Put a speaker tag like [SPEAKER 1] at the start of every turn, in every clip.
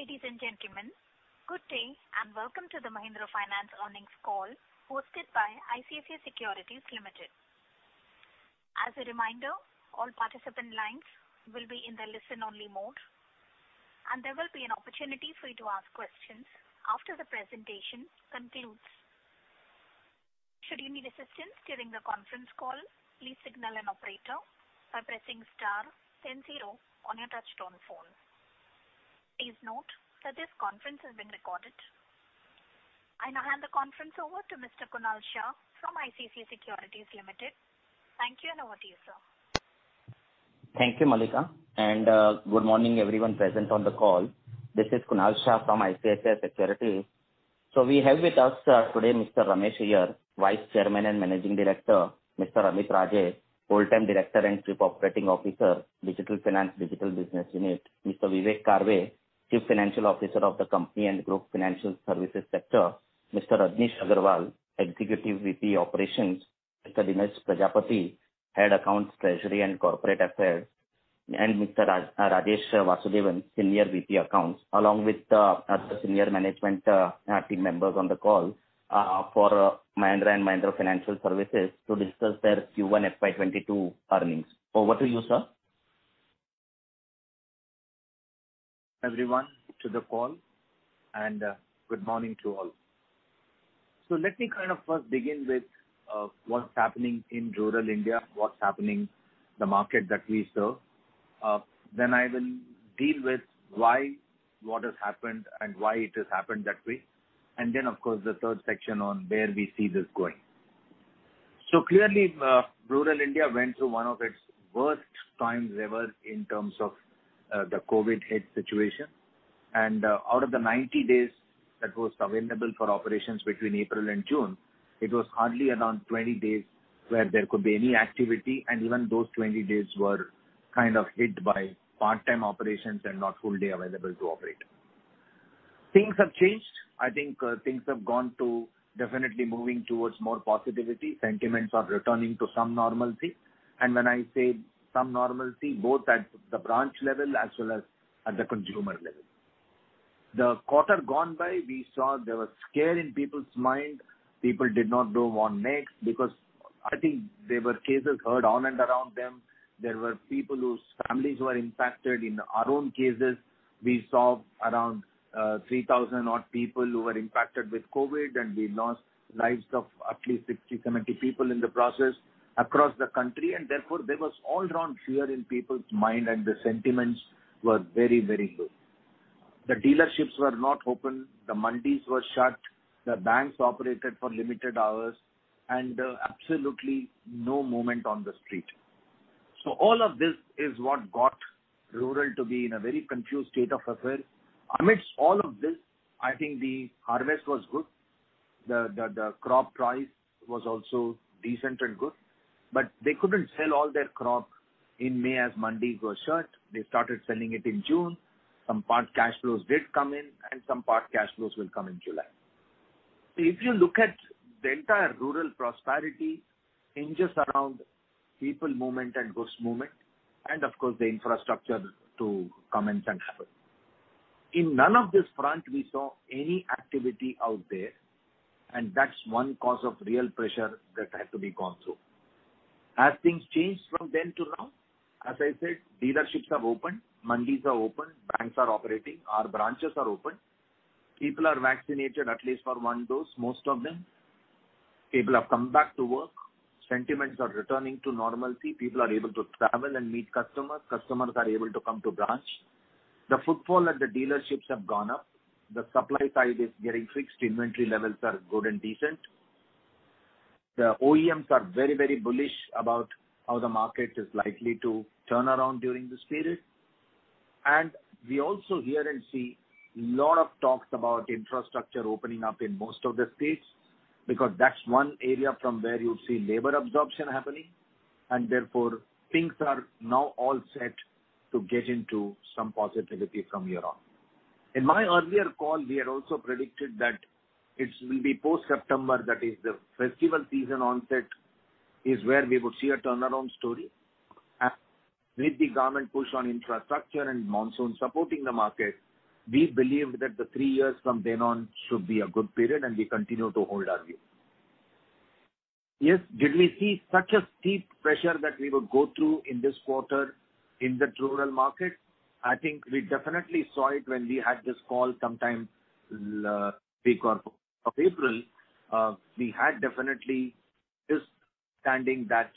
[SPEAKER 1] Ladies and gentlemen, good day and welcome to the Mahindra Finance earnings call hosted by ICICI Securities Limited. As a reminder, all participant lines will be in the listen only mode, and there will be an opportunity for you to ask questions after the presentation concludes. Should you need assistance during the conference call, please signal an operator by pressing star then zero on your touchtone phone. Please note that this conference is being recorded. I now hand the conference over to Mr. Kunal Shah from ICICI Securities Limited. Thank you, and over to you, sir.
[SPEAKER 2] Thank you, Mallika, and good morning everyone present on the call. This is Kunal Shah from ICICI Securities. We have with us today Mr. Ramesh Iyer, Vice Chairman and Managing Director, Mr. Amit Raje, Full-time Director and Chief Operating Officer, Digital Finance, Digital Business Unit, Mr. Vivek Karve, Chief Financial Officer of the company and Group Financial Services Sector, Mr. Rajnish Agarwal, Executive VP, Operations, Mr. Dinesh Prajapati, Head Accounts, Treasury, and Corporate Affairs, and Mr. Rajesh Vasudevan, Senior VP Accounts, along with other senior management team members on the call for Mahindra & Mahindra Financial Services to discuss their Q1 FY 2022 earnings. Over to you, sir.
[SPEAKER 3] Everyone to the call. Good morning to all. Let me kind of first begin with what's happening in rural India, what's happening the market that we serve. I will deal with why what has happened and why it has happened that way. Of course, the third section on where we see this going. Clearly, rural India went through one of its worst times ever in terms of the COVID hit situation. Out of the 90 days that was available for operations between April and June, it was hardly around 20 days where there could be any activity, and even those 20 days were kind of hit by part-time operations and not full day available to operate. Things have changed. I think things have gone to definitely moving towards more positivity. Sentiments are returning to some normalcy. When I say some normalcy, both at the branch level as well as at the consumer level. The quarter gone by, we saw there was scare in people's mind. People did not know what next because I think there were cases heard on and around them. There were people whose families were impacted. In our own cases, we saw around 3,000 odd people who were impacted with COVID and we lost lives of at least 60, 70 people in the process across the country and therefore there was all around fear in people's mind and the sentiments were very, very low. The dealerships were not open, the mandis were shut, the banks operated for limited hours and absolutely no movement on the street. All of this is what got rural to be in a very confused state of affair. Amidst all of this, I think the harvest was good. The crop price was also decent and good, they couldn't sell all their crop in May as mandis were shut. They started selling it in June. Some part cash flows did come in and some part cash flows will come in July. If you look at the entire rural prosperity hinges around people movement and goods movement and of course the infrastructure to come in and happen. In none of this front we saw any activity out there and that's one cause of real pressure that had to be gone through. Have things changed from then to now? As I said, dealerships have opened, mandis are open, banks are operating, our branches are open. People are vaccinated at least for one dose, most of them. People have come back to work. Sentiments are returning to normalcy. People are able to travel and meet customers. Customers are able to come to branch. The footfall at the dealerships have gone up. The supply side is getting fixed. Inventory levels are good and decent. The OEMs are very bullish about how the market is likely to turn around during this period. We also hear and see lot of talks about infrastructure opening up in most of the states because that's one area from where you'll see labor absorption happening and therefore things are now all set to get into some positivity from here on. In my earlier call, we had also predicted that it will be post September, that is the festival season onset is where we would see a turnaround story. With the government push on infrastructure and monsoon supporting the market, we believe that the three years from then on should be a good period and we continue to hold our view. Did we see such a steep pressure that we would go through in this quarter in the rural market? I think we definitely saw it when we had this call sometime week of April. We had definitely this standing that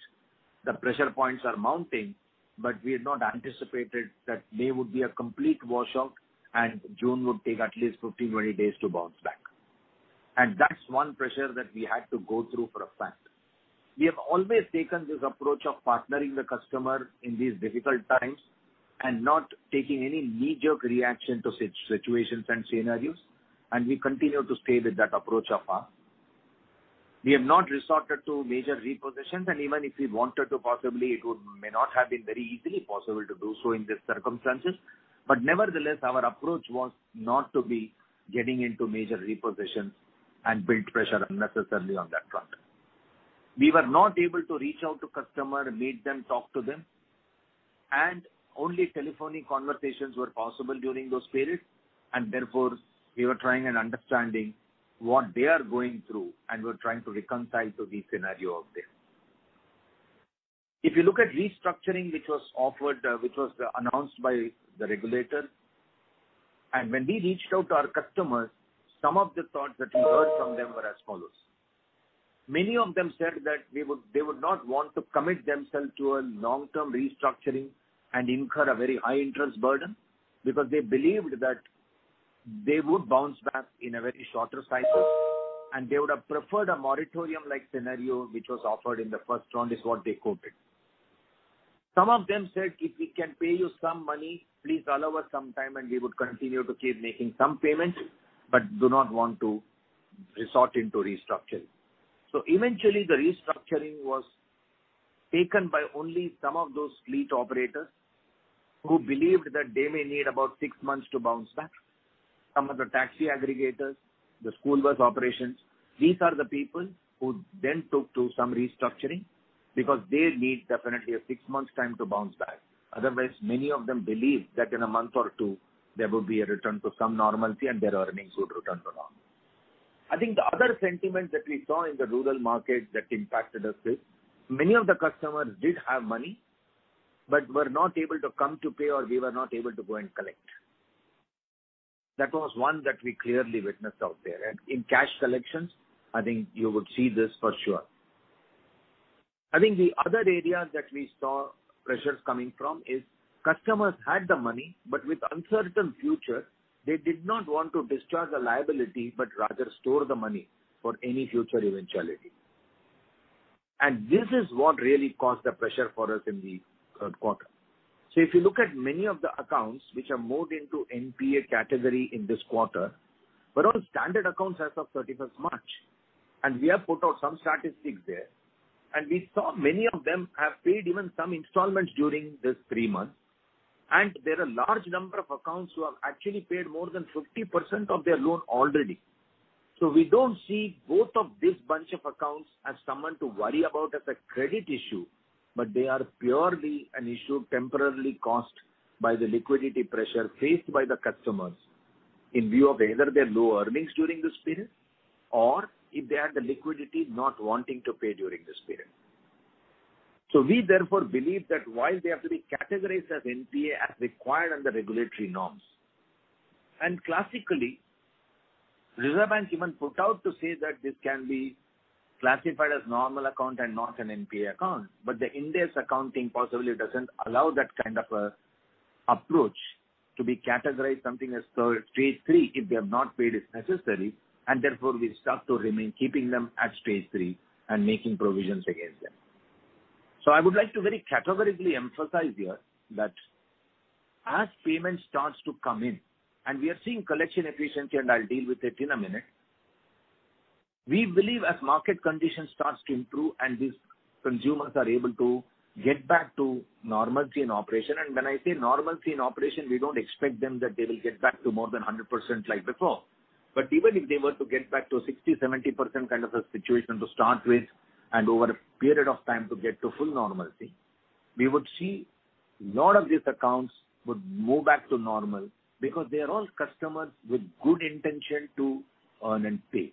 [SPEAKER 3] the pressure points are mounting, but we had not anticipated that May would be a complete washout and June would take at least 15, 20 days to bounce back. That's one pressure that we had to go through for a fact. We have always taken this approach of partnering the customer in these difficult times and not taking any knee-jerk reaction to such situations and scenarios. We continue to stay with that approach of ours. We have not resorted to major repositions and even if we wanted to possibly it may not have been very easily possible to do so in these circumstances. Nevertheless, our approach was not to be getting into major repositions and build pressure unnecessarily on that front. We were not able to reach out to customer, meet them, talk to them. Only telephonic conversations were possible during those periods. Therefore, we were trying and understanding what they are going through, and we're trying to reconcile to the scenario out there. If you look at restructuring, which was announced by the regulator, and when we reached out to our customers, some of the thoughts that we heard from them were as follows. Many of them said that they would not want to commit themselves to a long-term restructuring and incur a very high interest burden because they believed that they would bounce back in a very shorter cycle, and they would have preferred a moratorium-like scenario, which was offered in the first round, is what they quoted. Some of them said, "If we can pay you some money, please allow us some time, and we would continue to keep making some payments, but do not want to resort into restructuring." Eventually, the restructuring was taken by only some of those fleet operators who believed that they may need about six months to bounce back. Some of the taxi aggregators, the school bus operations, these are the people who then took to some restructuring because they need definitely a six months time to bounce back. Many of them believe that in a month or two, there will be a return to some normalcy and their earnings would return to normal. I think the other sentiment that we saw in the rural market that impacted us is many of the customers did have money, but were not able to come to pay or we were not able to go and collect. That was one that we clearly witnessed out there. In cash collections, I think you would see this for sure. I think the other area that we saw pressures coming from is customers had the money, but with uncertain future, they did not want to discharge the liability, but rather store the money for any future eventuality. This is what really caused the pressure for us in the first quarter. If you look at many of the accounts which are moved into NPA category in this quarter, were all standard accounts as of 31st March. We have put out some statistics there. We saw many of them have paid even some installments during this three months. There are a large number of accounts who have actually paid more than 50% of their loan already. We don't see both of this bunch of accounts as someone to worry about as a credit issue, but they are purely an issue temporarily caused by the liquidity pressure faced by the customers in view of either their low earnings during this period or if they had the liquidity not wanting to pay during this period. We therefore believe that while they have to be categorized as NPA as required under regulatory norms, and classically, Reserve Bank even put out to say that this can be classified as normal account and not an NPA account. The Ind AS accounting possibly doesn't allow that kind of approach to be categorized something as stage three if they have not paid as necessary, and therefore we stuck to remain keeping them at stage three and making provisions against them. I would like to very categorically emphasize here that as payment starts to come in, and we are seeing collection efficiency, and I'll deal with it in a minute. We believe as market conditions starts to improve and these consumers are able to get back to normalcy in operation, and when I say normalcy in operation, we don't expect them that they will get back to more than 100% like before. Even if they were to get back to 60%-70% kind of a situation to start with and over a period of time to get to full normalcy, we would see lot of these accounts would move back to normal because they are all customers with good intention to earn and pay.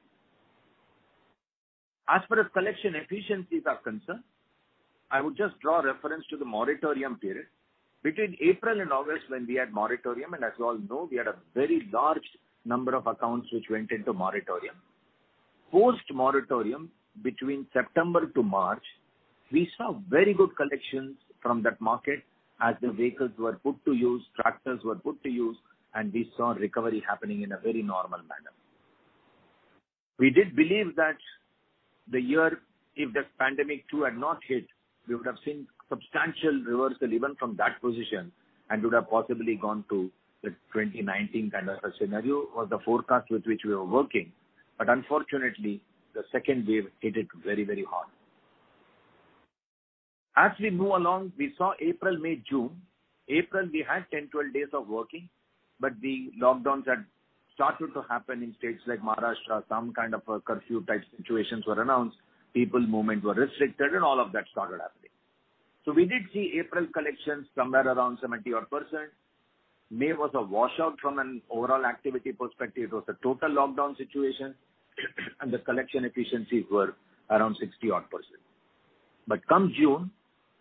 [SPEAKER 3] As far as collection efficiencies are concerned, I would just draw reference to the moratorium period. Between April and August when we had moratorium, as you all know, we had a very large number of accounts which went into moratorium. Post-moratorium, between September to March, we saw very good collections from that market as the vehicles were put to use, tractors were put to use, and we saw recovery happening in a very normal manner. We did believe that the year, if this pandemic two had not hit, we would have seen substantial reversal even from that position and would have possibly gone to the 2019 kind of a scenario or the forecast with which we were working. Unfortunately, the second wave hit it very, very hard. As we move along, we saw April, May, June. April, we had 10, 12 days of working, but the lockdowns had started to happen in states like Maharashtra. Some kind of a curfew-type situations were announced. People movement were restricted and all of that started happening. We did see April collections somewhere around 70-odd-%. May was a washout from an overall activity perspective. It was a total lockdown situation, and the collection efficiencies were around 60-odd-%. Come June,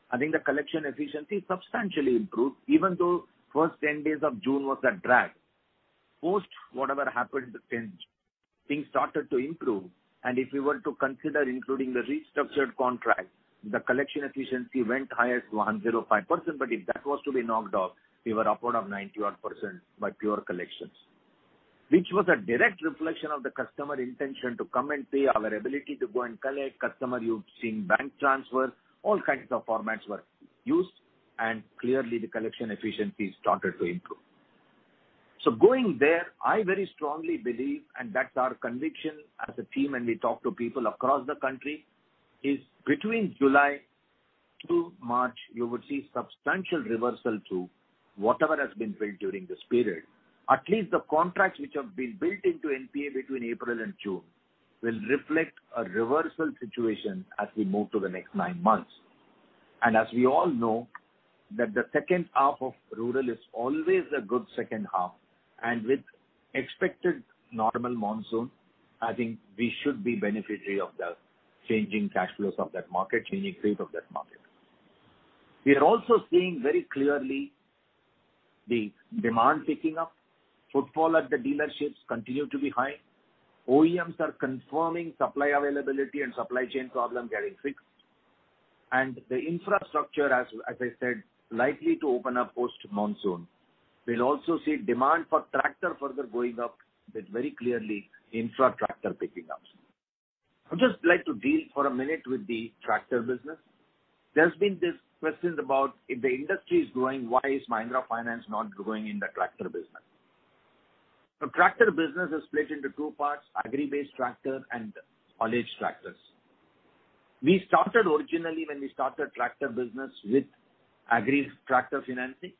[SPEAKER 3] I think the collection efficiency substantially improved, even though first 10 days of June was a drag. Post whatever happened in June, things started to improve, and if we were to consider including the restructured contract, the collection efficiency went higher to 105%. If that was to be knocked off, we were upward of 90-odd-% by pure collections. Which was a direct reflection of the customer intention to come and pay, our ability to go and collect, customer who've seen bank transfer, all kinds of formats were used, and clearly the collection efficiency started to improve. Going there, I very strongly believe, and that's our conviction as a team when we talk to people across the country, is between July to March, you would see substantial reversal to whatever has been built during this period. At least the contracts which have been built into NPA between April and June will reflect a reversal situation as we move to the next nine months. As we all know that the second half of rural is always a good second half, and with expected normal monsoon, I think we should be beneficiary of the changing cash flows of that market, changing rate of that market. We are also seeing very clearly the demand picking up. Footfall at the dealerships continue to be high. OEMs are confirming supply availability and supply chain problem getting fixed. The infrastructure, as I said, likely to open up post-monsoon. We'll also see demand for tractor further going up with very clearly infra tractor picking up. I'd just like to deal for a minute with the tractor business. There's been this question about if the industry is growing, why is Mahindra Finance not growing in the tractor business? Tractor business is split into two parts, agri-based tractor and haulage tractors. We started originally when we started tractor business with agri tractor financing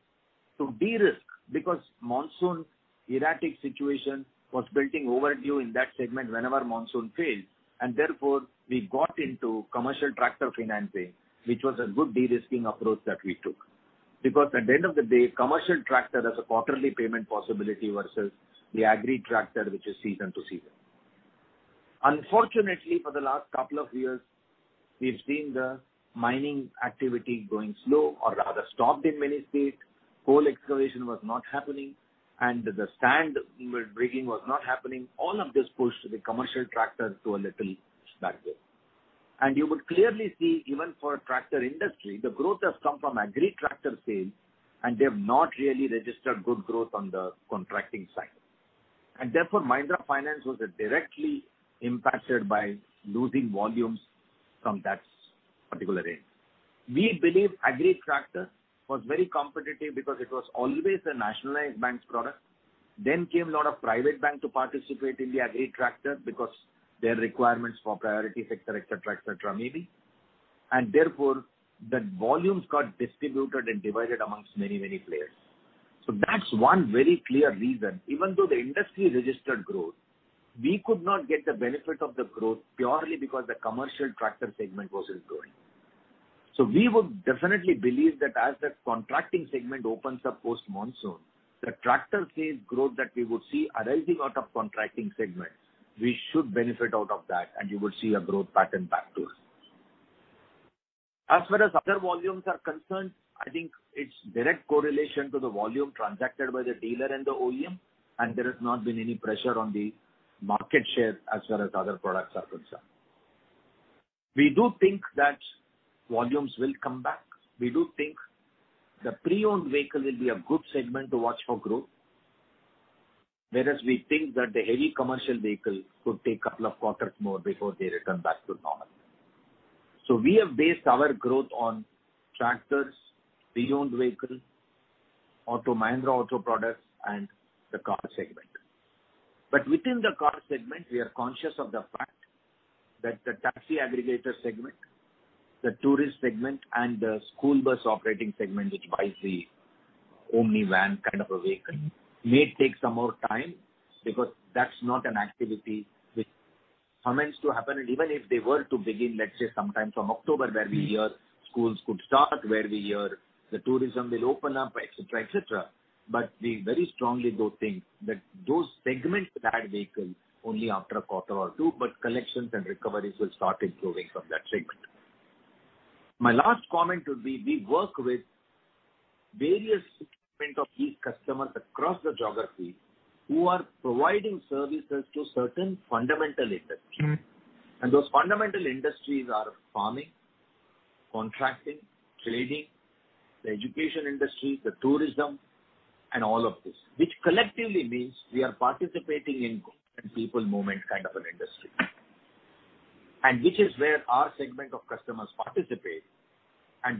[SPEAKER 3] to de-risk because monsoon erratic situation was building overdue in that segment whenever monsoon failed. Therefore, we got into commercial tractor financing, which was a good de-risking approach that we took. At the end of the day, commercial tractor has a quarterly payment possibility versus the agri tractor, which is season to season. Unfortunately, for the last couple of years, we've seen the mining activity going slow or rather stopped in many states, coal excavation was not happening, and the sand mining was not happening. All of this pushed the commercial tractors to a little backward. You would clearly see, even for tractor industry, the growth has come from agri tractor sales, and they have not really registered good growth on the contracting side. Therefore, Mahindra Finance was directly impacted by losing volumes from that particular range. We believe agri tractor was very competitive because it was always a nationalized banks product. Came a lot of private bank to participate in the agri tractor because their requirements for priority sector, et cetera. Therefore, the volumes got distributed and divided amongst many, many players. That's one very clear reason. Even though the industry registered growth, we could not get the benefit of the growth purely because the commercial tractor segment wasn't growing. We would definitely believe that as the contracting segment opens up post-monsoon, the tractor sales growth that we would see arising out of contracting segments, we should benefit out of that and you would see a growth pattern back to us. As far as other volumes are concerned, I think it's direct correlation to the volume transacted by the dealer and the OEM, and there has not been any pressure on the market share as far as other products are concerned. We do think that volumes will come back. We do think the pre-owned vehicle will be a good segment to watch for growth. Whereas we think that the heavy commercial vehicle could take a couple of quarters more before they return back to normal. We have based our growth on tractors, pre-owned vehicle, Mahindra auto products, and the car segment. Within the car segment, we are conscious of the fact that the taxi aggregator segment, the tourist segment, and the school bus operating segment, which buys the Omni van kind of a vehicle, may take some more time because that's not an activity which commenced to happen. Even if they were to begin, let's say sometime from October where we hear schools could start, where we hear the tourism will open up, et cetera. We very strongly do think that those segments add vehicle only after a quarter or two, but collections and recoveries will start improving from that segment. My last comment would be, we work with various segments of these customers across the geography who are providing services to certain fundamental industries. Those fundamental industries are farming, contracting, trading, the education industry, the tourism, and all of this, which collectively means we are participating in goods and people movement kind of an industry. Which is where our segment of customers participate.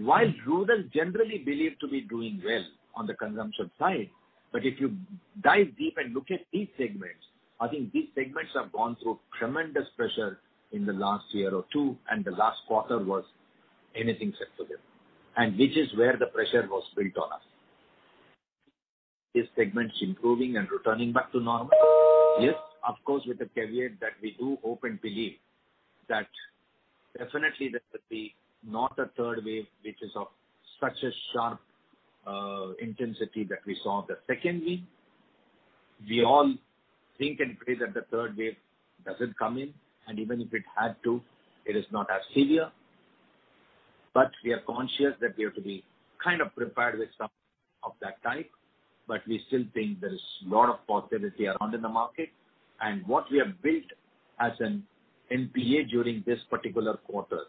[SPEAKER 3] While rural generally believed to be doing well on the consumption side, but if you dive deep and look at these segments, I think these segments have gone through tremendous pressure in the last year or two, and the last quarter was anything except for them. Which is where the pressure was built on us. These segments improving and returning back to normal. Yes, of course, with the caveat that we do hope and believe that definitely there could be not a third wave which is of such a sharp intensity that we saw the second wave. We all think and pray that the third wave doesn't come in, and even if it had to, it is not as severe. We are conscious that we have to be kind of prepared with some of that type, but we still think there is a lot of positivity around in the market. What we have built as an NPA during this particular quarter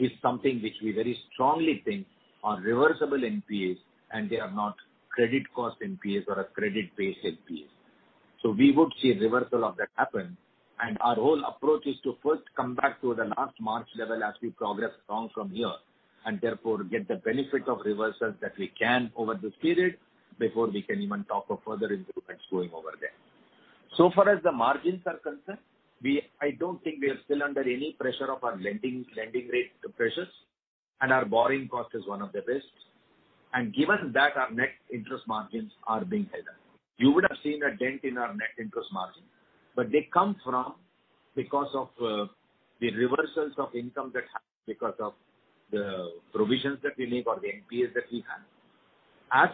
[SPEAKER 3] is something which we very strongly think are reversible NPAs and they are not credit cost NPAs or a credit-based NPAs. We would see a reversal of that happen. Our whole approach is to first come back to the last March level as we progress strong from here, and therefore get the benefit of reversals that we can over this period before we can even talk of further improvements going over there. So far as the margins are concerned, I don't think we are still under any pressure of our lending rate pressures, and our borrowing cost is one of the best. Given that our net interest margins are being headed, you would have seen a dent in our net interest margin. They come from because of the reversals of income that happen because of the provisions that we make or the NPAs that we have.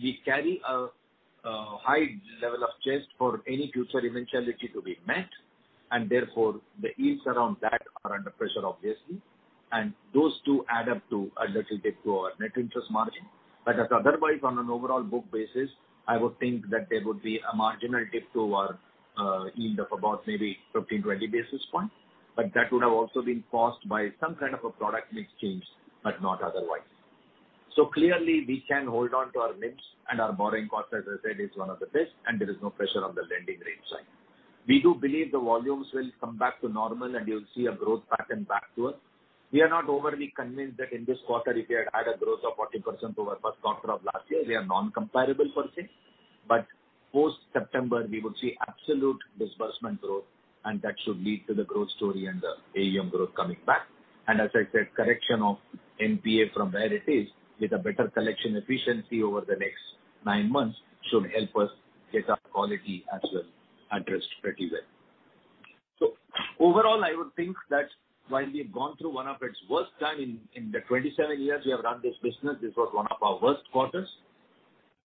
[SPEAKER 3] We carry a high level of [chest] for any future eventuality to be met, and therefore, the yields around that are under pressure, obviously. Those two add up to a little dip to our net interest margin. As otherwise, on an overall book basis, I would think that there would be a marginal dip to our yield of about maybe 15, 20 basis points, but that would have also been caused by some kind of a product mix change, but not otherwise. Clearly, we can hold on to our NIMs and our borrowing cost, as I said, is one of the best, and there is no pressure on the lending rate side. We do believe the volumes will come back to normal and you'll see a growth pattern back to us. We are not overly convinced that in this quarter, if we had had a growth of 40% over first quarter of last year, we are non-comparable per se. Post-September, we would see absolute disbursement growth, and that should lead to the growth story and the AUM growth coming back. As I said, correction of NPA from where it is with a better collection efficiency over the next nine months should help us get our quality as well addressed pretty well. Overall, I would think that while we've gone through one of its worst time in the 27 years we have run this business, this was one of our worst quarters,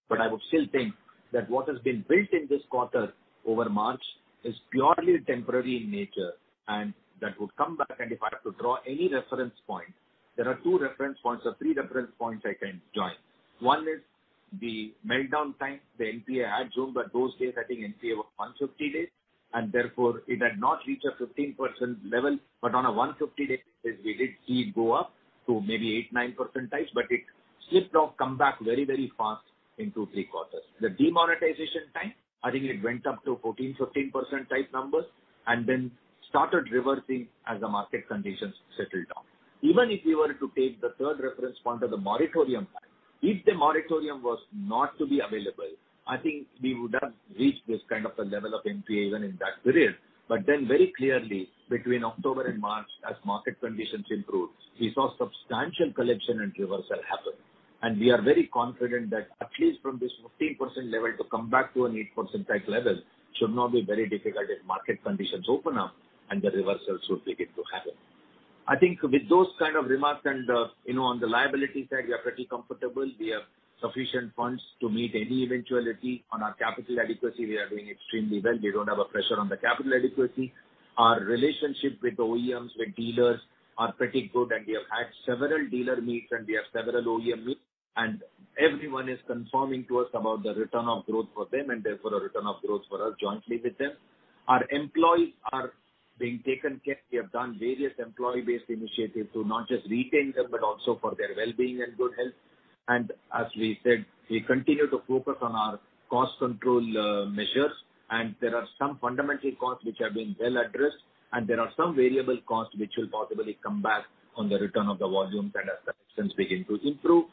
[SPEAKER 3] but I would still think that what has been built in this quarter over March is purely temporary in nature, and that would come back. If I have to draw any reference point, there are two reference points or three reference points I can join. One is the meltdown time, the NPA had zoomed, but those days, I think NPA was 150 days, and therefore, it had not reached a 15% level. On a 150-day basis, we did see it go up to maybe 8-9 percentiles, but it slipped off, come back very fast in two, three quarters. The demonetization time, I think it went up to 14%-15% type numbers, then started reversing as the market conditions settled down. Even if we were to take the third reference point of the moratorium time, if the moratorium was not to be available, I think we would have reached this kind of a level of NPA even in that period. Very clearly between October and March, as market conditions improved, we saw substantial collection and reversal happen. We are very confident that at least from this 15% level to come back to an 8% type level should not be very difficult as market conditions open up and the reversal should begin to happen. I think with those kind of remarks and on the liability side, we are pretty comfortable. We have sufficient funds to meet any eventuality. On our capital adequacy, we are doing extremely well. We don't have a pressure on the capital adequacy. Our relationship with OEMs, with dealers are pretty good, and we have had several dealer meets and we have several OEM meets, and everyone is confirming to us about the return of growth for them and therefore a return of growth for us jointly with them. Our employees are being taken care. We have done various employee-based initiatives to not just retain them, but also for their well-being and good health. As we said, we continue to focus on our cost control measures, and there are some fundamental costs which are being well addressed, and there are some variable costs which will possibly come back on the return of the volumes and as the expenses begin to improve.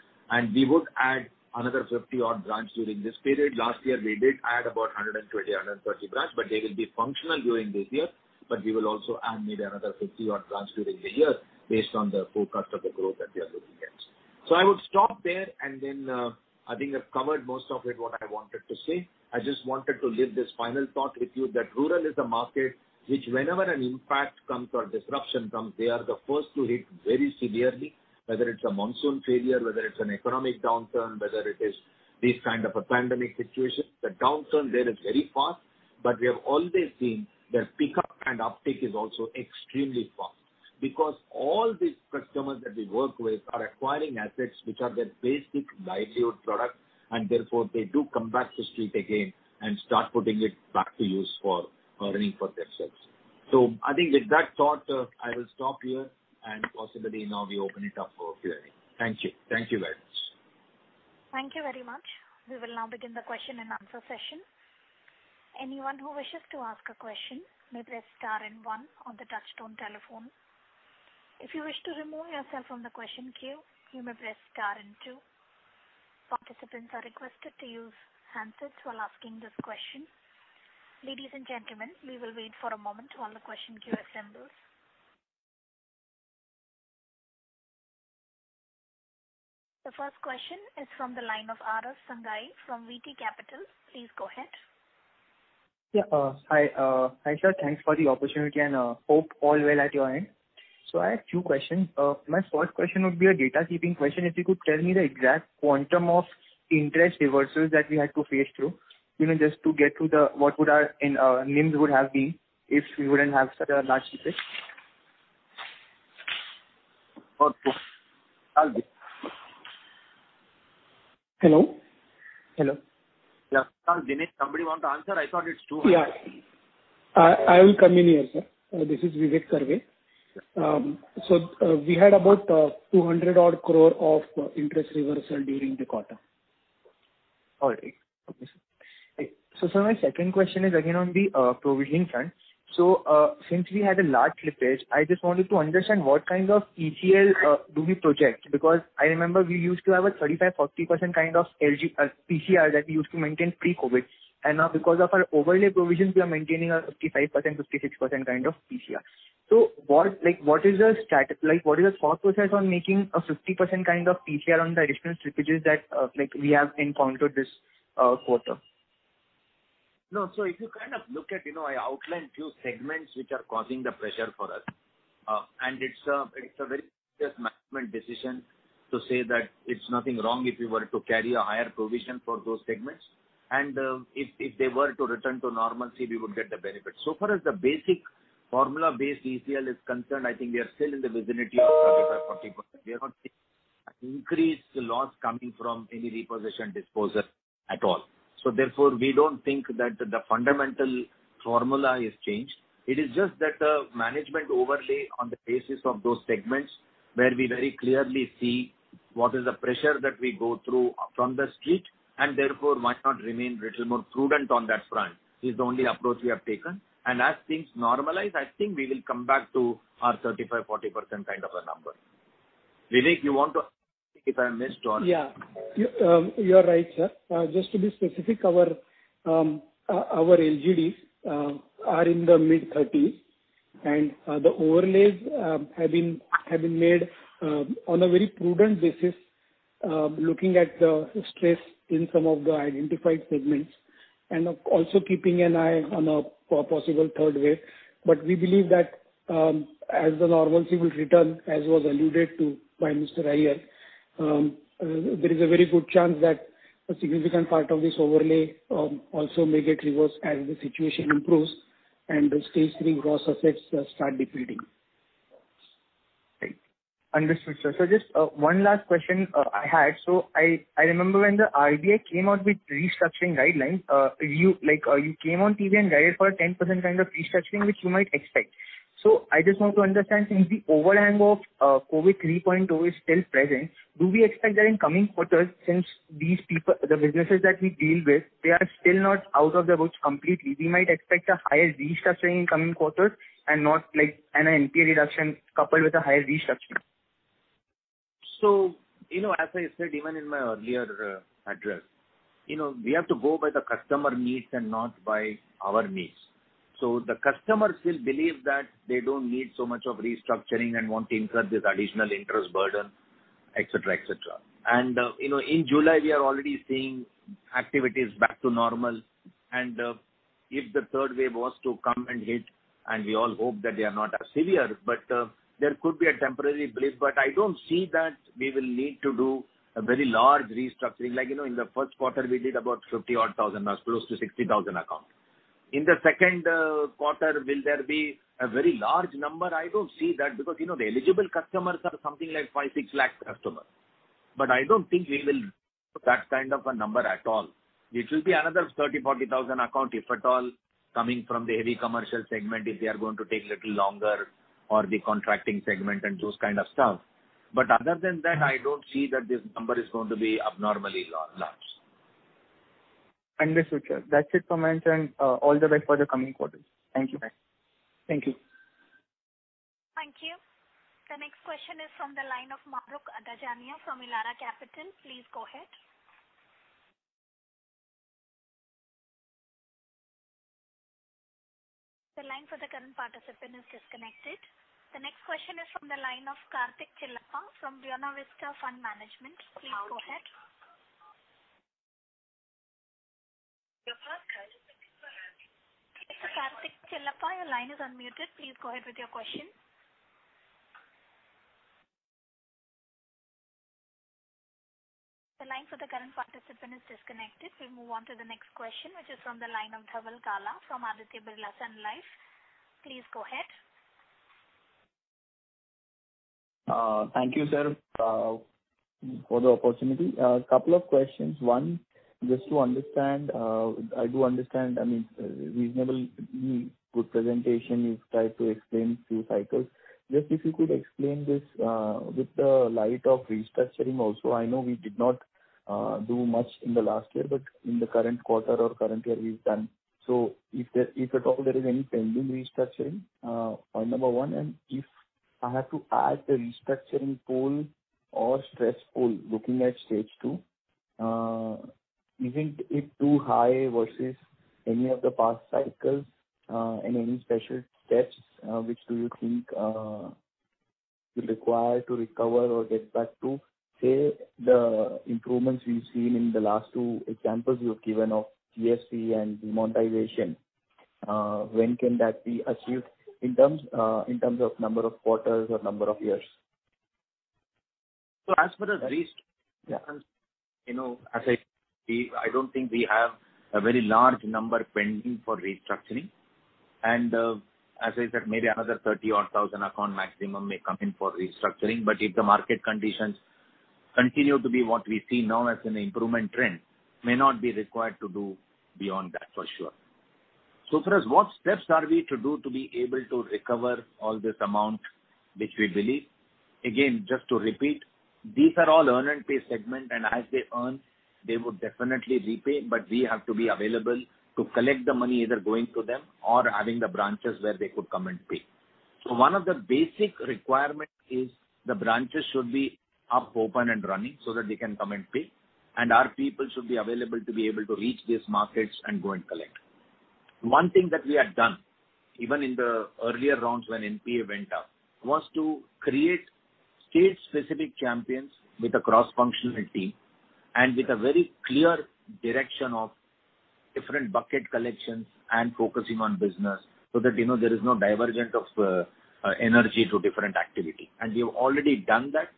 [SPEAKER 3] We would add another 50 odd branches during this period. Last year, we did add about 120, 130 branches, but they will be functional during this year. We will also add maybe another 50 odd branches during the year based on the forecast of the growth that we are looking at. I would stop there and then, I think I've covered most of it what I wanted to say. I just wanted to leave this final thought with you that rural is a market which whenever an impact comes or disruption comes, they are the first to hit very severely, whether it is a monsoon failure, whether it is an economic downturn, whether it is this kind of a pandemic situation. The downturn there is very fast, but we have always seen their pickup and uptick is also extremely fast because all these customers that we work with are acquiring assets which are their basic livelihood product, and therefore, they do come back to street again and start putting it back to use for earning for themselves. I think with that thought, I will stop here and possibly now we open it up for Q&A. Thank you. Thank you very much.
[SPEAKER 1] Thank you very much. We will now begin the question and answer session. Anyone who wishes to ask a question may press star and one on the touchtone telephone. If you wish to remove yourself from the question queue, you may press star and two. Participants are requested to use handsets while asking this question. Ladies and gentlemen, we will wait for a moment while the question queue assembles. The first question is from the line of Aarav Sangai from VT Capital. Please go ahead.
[SPEAKER 4] Hi, sir. Thanks for the opportunity, and hope all well at your end. I have two questions. My first question would be a data-keeping question. If you could tell me the exact quantum of interest reversals that we had to face through, even just to get to the what would our NIM would have been if we wouldn't have such a large deficit.
[SPEAKER 3] Of course. I'll give.
[SPEAKER 5] Hello? Hello.
[SPEAKER 3] Yeah, sir Vivek, somebody want to answer? I thought it's to you.
[SPEAKER 5] Yeah. I will come in here, sir. This is Vivek Karve. We had about 200 odd crore of interest reversal during the quarter.
[SPEAKER 4] All right. Okay, sir. My second question is again on the provision front. Since we had a large slippage, I just wanted to understand what kind of ECL do we project, because I remember we used to have a 35%-40% kind of ECL that we used to maintain pre-COVID. Now because of our overlay provisions, we are maintaining a 55%-56% kind of ECL. What is the thought process on making a 50% kind of ECL on the additional slippages that we have encountered this quarter?
[SPEAKER 3] No. If you look at, I outlined few segments which are causing the pressure for us. It's a very serious management decision to say that it's nothing wrong if we were to carry a higher provision for those segments and if they were to return to normalcy, we would get the benefit. So far as the basic formula-based ECL is concerned, I think we are still in the vicinity of 35%-40%. We have not seen increased loss coming from any reposition disposal at all. Therefore, we don't think that the fundamental formula is changed. It is just that the management overlay on the basis of those segments where we very clearly see what is the pressure that we go through from the street, and therefore might not remain little more prudent on that front, is the only approach we have taken. As things normalize, I think we will come back to our 35%-40% kind of a number. Vivek, you want to add anything if I missed?
[SPEAKER 5] You are right, sir. Just to be specific, our LGDs are in the mid-30s, and the overlays have been made on a very prudent basis, looking at the stress in some of the identified segments, and also keeping an eye on a possible third wave. We believe that, as the normalcy will return, as was alluded to by Mr. Iyer, there is a very good chance that a significant part of this overlay also may get reversed as the situation improves and the stage three gross assets start depleting.
[SPEAKER 4] Right. Understood, sir. Just one last question I had. I remember when the RBI came out with restructuring guidelines, you came on TV and guided for a 10% kind of restructuring, which you might expect. I just want to understand, since the overhang of COVID 3.0 is still present, do we expect that in coming quarters, since the businesses that we deal with, they are still not out of the woods completely, we might expect a higher restructuring in coming quarters and an NPA reduction coupled with a higher restructuring?
[SPEAKER 3] As I said, even in my earlier address, we have to go by the customer needs and not by our needs. The customers still believe that they don't need so much of restructuring and want to incur this additional interest burden, et cetera. In July, we are already seeing activities back to normal, and if the third wave was to come and hit, and we all hope that they are not as severe, but there could be a temporary blip, but I don't see that we will need to do a very large restructuring. In the first quarter, we did about 50,000, or close to 60,000 accounts. In the second quarter, will there be a very large number? I don't see that because the eligible customers are something like 5 lakh-6 lakh customers. I don't think we will do that kind of a number at all. It will be another 30,000, 40,000 account, if at all, coming from the heavy commercial segment, if they are going to take little longer or the contracting segment and those kind of stuff. Other than that, I don't see that this number is going to be abnormally large.
[SPEAKER 4] Understood, sir. That's it from my end, sir, and all the best for the coming quarters. Thank you.
[SPEAKER 5] Thank you.
[SPEAKER 1] Thank you. The next question is from the line of Mahrukh Adajania from Elara Capital. Please go ahead. The line for the current participant is disconnected. The next question is from the line of Karthik Chellappa from Buona Vista Fund Management. Please go ahead. Mr. Karthik Chellappa, your line is unmuted. Please go ahead with your question. The line for the current participant is disconnected. We move on to the next question, which is from the line of Dhaval Gala from Aditya Birla Sun Life. Please go ahead.
[SPEAKER 6] Thank you, sir, for the opportunity. A couple of questions. One, just to understand, I do understand, reasonable, good presentation. You've tried to explain few cycles. If you could explain this with the light of restructuring also. I know we did not do much in the last year, in the current quarter or current year, we've done. If at all there is any pending restructuring, point number one, and if I have to add the restructuring pool or stress pool looking at stage two, do you think it too high versus any of the past cycles? Any special steps which do you think will require to recover or get back to, say, the improvements we've seen in the last two examples you've given of GST and demonetization. When can that be achieved in terms of number of quarters or number of years?
[SPEAKER 3] As for the restructures, as I see, I don't think we have a very large number pending for restructuring, and as I said, maybe another 30,000-odd account maximum may come in for restructuring. If the market conditions continue to be what we see now as an improvement trend, may not be required to do beyond that for sure. For us, what steps are we to do to be able to recover all this amount, which we believe. Again, just to repeat, these are all earn and pay segment, and as they earn, they would definitely repay, but we have to be available to collect the money, either going to them or having the branches where they could come and pay. One of the basic requirement is the branches should be up, open, and running so that they can come and pay. Our people should be available to be able to reach these markets and go and collect. One thing that we had done, even in the earlier rounds when NPA went up, was to create state-specific champions with a cross-functional team and with a very clear direction of different bucket collections and focusing on business so that there is no diversion of energy to different activity. We have already done that.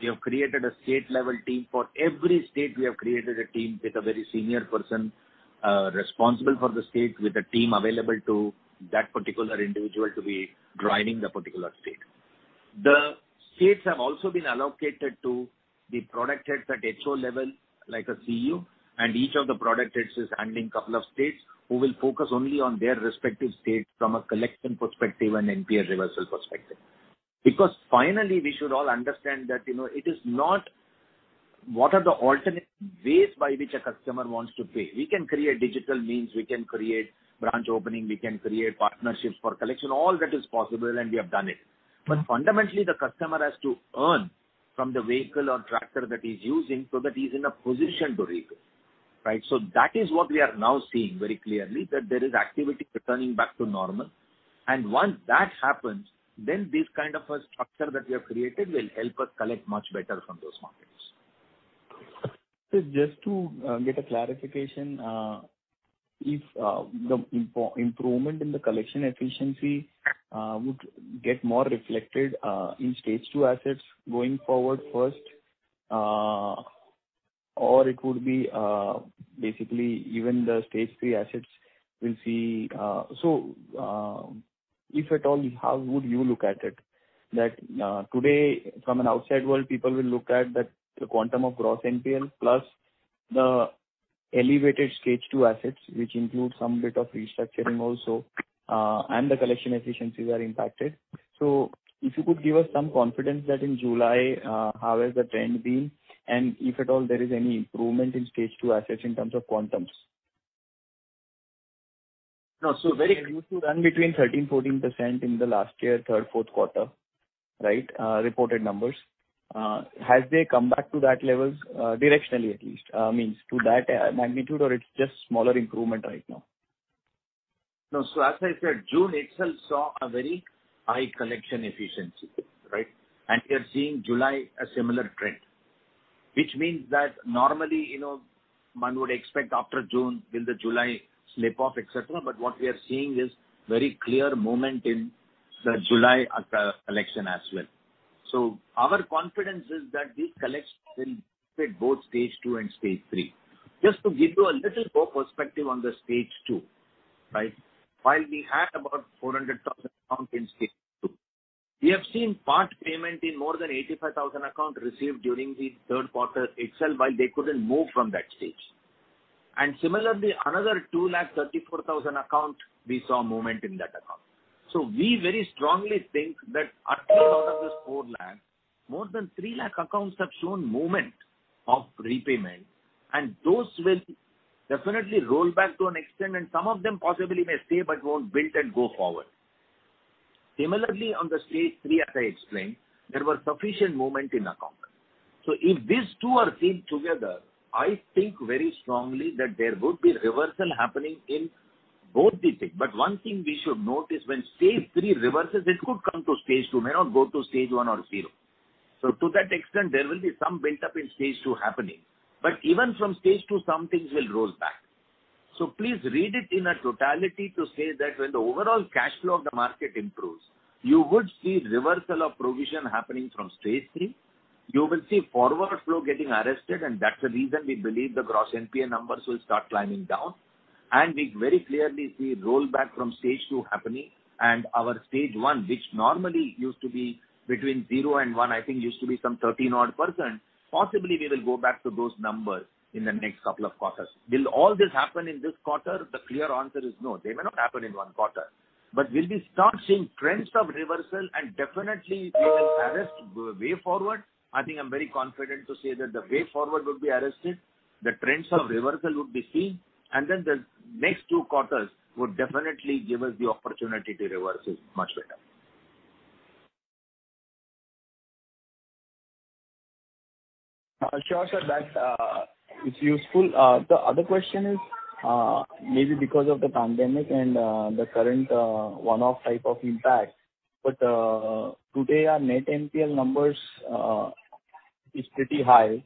[SPEAKER 3] We have created a state-level team. For every state, we have created a team with a very senior person, responsible for the state, with a team available to that particular individual to be driving the particular state. The states have also been allocated to the product heads at HO level, like a CU, and each of the product heads is handling couple of states who will focus only on their respective states from a collection perspective and NPA reversal perspective. Finally, we should all understand that it is not what are the alternate ways by which a customer wants to pay. We can create digital means, we can create branch opening, we can create partnerships for collection. All that is possible, and we have done it. Fundamentally, the customer has to earn from the vehicle or tractor that he's using so that he's in a position to repay, right? That is what we are now seeing very clearly, that there is activity returning back to normal. Once that happens, then this kind of a structure that we have created will help us collect much better from those markets.
[SPEAKER 6] Sir, just to get a clarification, if the improvement in the collection efficiency would get more reflected in stage two assets going forward first, or it would be basically even the stage three assets we'll see. If at all, how would you look at it? That today, from an outside world, people will look at the quantum of gross NPL plus the elevated stage two assets, which include some bit of restructuring also, and the collection efficiencies are impacted. If you could give us some confidence that in July, how has the trend been, and if at all there is any improvement in stage two assets in terms of quantums.
[SPEAKER 3] No.
[SPEAKER 6] They used to run between 13%, 14% in the last year, third, fourth quarter, right? Reported numbers. Have they come back to that levels directionally, at least? Means to that magnitude or it's just smaller improvement right now?
[SPEAKER 3] As I said, June itself saw a very high collection efficiency, right. We are seeing July a similar trend. Normally, one would expect after June, will the July slip off, etc., but what we are seeing is very clear movement in the July collection as well. Our confidence is that these collections will fit both stage two and stage three. Just to give you a little more perspective on the stage two, right. While we had about 400,000 account in stage two, we have seen part payment in more than 85,000 account received during the third quarter itself, while they couldn't move from that stage. Similarly, another 234,000 account, we saw movement in that account. We very strongly think that actually out of this 4 lakh, more than 3 lakh accounts have shown movement of repayment, and those will definitely roll back to an extent, and some of them possibly may stay but won't build and go forward. Similarly, on the stage three, as I explained, there was sufficient movement in accounts. If these two are seen together, I think very strongly that there would be reversal happening in both the thing. One thing we should note is when stage three reverses, it could come to stage two, may not go to stage one or zero. To that extent, there will be some built up in stage two happening, but even from stage two, some things will roll back. Please read it in a totality to say that when the overall cash flow of the market improves, you would see reversal of provision happening from stage three. You will see forward flow getting arrested. That's the reason we believe the gross NPA numbers will start climbing down. We very clearly see rollback from stage two happening and our stage one, which normally used to be between zero and one, I think used to be some 13-odd-%, possibly we will go back to those numbers in the next couple of quarters. Will all this happen in this quarter? The clear answer is no. They may not happen in one quarter. Will we start seeing trends of reversal and definitely they will arrest the way forward? I think I'm very confident to say that the way forward would be arrested, the trends of reversal would be seen, and then the next two quarters would definitely give us the opportunity to reverse it much better.
[SPEAKER 6] Sure, sir. That is useful. The other question is, maybe because of the pandemic and the current one-off type of impact, today our net NPL numbers is pretty high.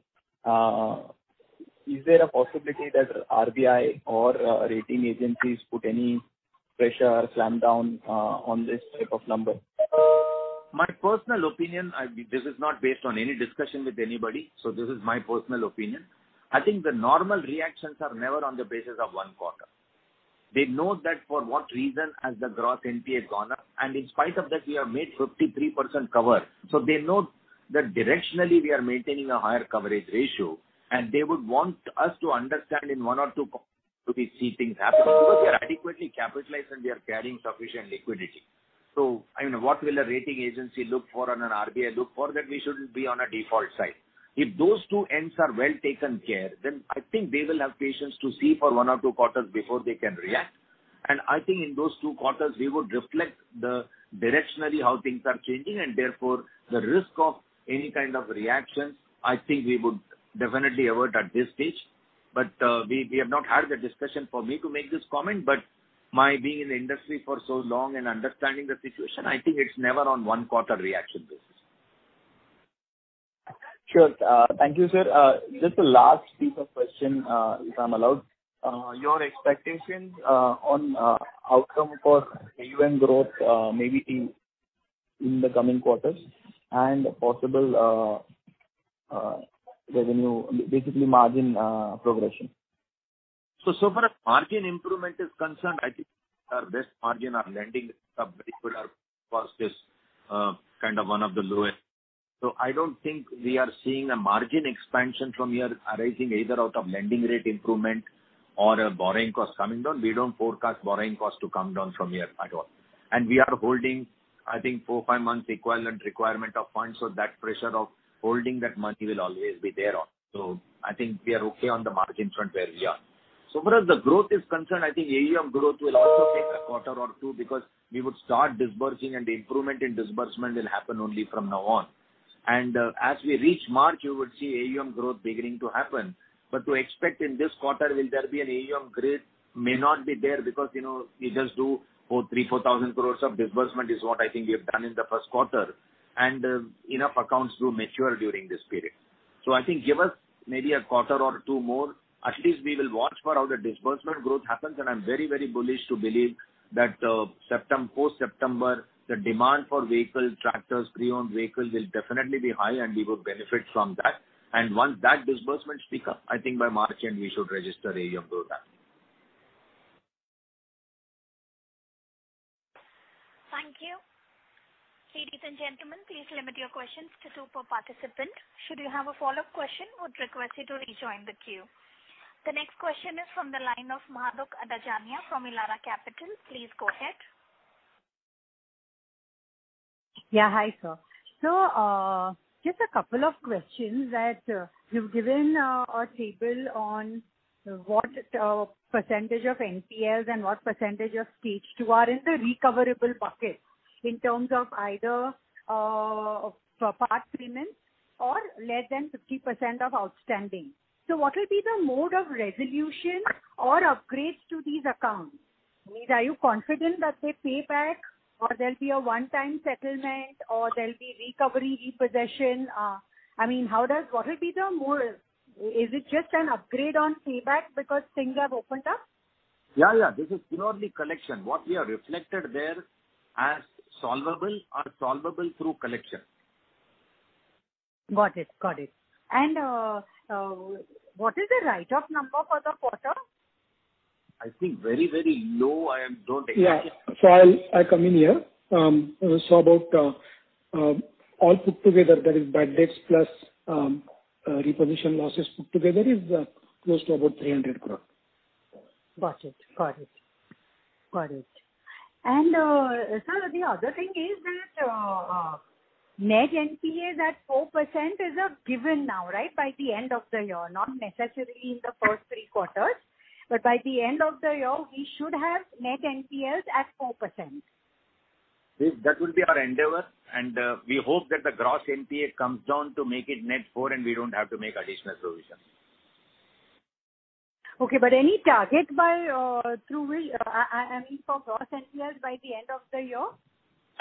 [SPEAKER 6] Is there a possibility that RBI or rating agencies put any pressure or slam down on this type of number?
[SPEAKER 3] My personal opinion, this is not based on any discussion with anybody, so this is my personal opinion. I think the normal reactions are never on the basis of one quarter. They know that for what reason has the gross NPA gone up, and in spite of that, we have made 53% cover. They know that directionally we are maintaining a higher coverage ratio, and they would want us to understand in one or two to see things happen because we are adequately capitalized and we are carrying sufficient liquidity. What will a rating agency look for and an RBI look for? That we shouldn't be on a default side. If those two ends are well taken care, then I think they will have patience to see for one or two quarters before they can react. I think in those two quarters, we would reflect the directionally how things are changing and therefore the risk of any kind of reactions, I think we would definitely avert at this stage. We have not had the discussion for me to make this comment, but my being in the industry for so long and understanding the situation, I think it's never on one quarter reaction basis.
[SPEAKER 6] Sure. Thank you, sir. Just a last piece of question, if I'm allowed. Your expectations on outcome for AUM growth maybe in the coming quarters and possible revenue, basically margin progression?
[SPEAKER 3] Far as margin improvement is concerned, I think our best margin on lending was this kind of one of the lowest. I don't think we are seeing a margin expansion from here arising either out of lending rate improvement or a borrowing cost coming down. We don't forecast borrowing cost to come down from here at all. We are holding, I think, four, five months equivalent requirement of funds, so that pressure of holding that money will always be there on. I think we are okay on the margin front where we are. Far as the growth is concerned, I think AUM growth will also take a quarter or two because we would start disbursing and the improvement in disbursement will happen only from now on. As we reach March, you would see AUM growth beginning to happen. To expect in this quarter, will there be an AUM grid may not be there because we just do 3,000 crores-4,000 crores of disbursement is what I think we have done in the first quarter, and enough accounts to mature during this period. I think give us maybe a quarter or two more. At least we will watch for how the disbursement growth happens, and I'm very bullish to believe that post-September, the demand for vehicle, tractors, pre-owned vehicles will definitely be high, and we will benefit from that. Once that disbursement pick up, I think by March end, we should register AUM growth.
[SPEAKER 1] Thank you. Ladies and gentlemen, please limit your questions to two per participant. Should you have a follow-up question, I would request you to rejoin the queue. The next question is from the line of Mahrukh Adajania from Elara Capital. Please go ahead.
[SPEAKER 7] Yeah. Hi, sir. Just a couple of questions that you've given a table on what percentage of NPLs and what percentage of stage two are in the recoverable bucket in terms of either part payments or less than 50% of outstanding. What will be the mode of resolution or upgrades to these accounts? Are you confident that they pay back or there'll be a one-time settlement or there'll be recovery, repossession? What will be the mode? Is it just an upgrade on payback because things have opened up?
[SPEAKER 3] Yeah. This is purely collection. What we have reflected there as solvable are solvable through collection.
[SPEAKER 7] Got it. What is the write-off number for the quarter?
[SPEAKER 3] I think very low.
[SPEAKER 5] I come in here. About all put together, that is bad debts plus repossession losses put together is close to about 300 crore.
[SPEAKER 7] Got it. Sir, the other thing is that net NPA at 4% is a given now, right? By the end of the year, not necessarily in the first three quarters. By the end of the year, we should have net NPAs at 4%.
[SPEAKER 3] That will be our endeavor, we hope that the gross NPA comes down to make it net 4% and we don't have to make additional provisions.
[SPEAKER 7] Okay. Any target by through which, I mean, for gross NPAs by the end of the year?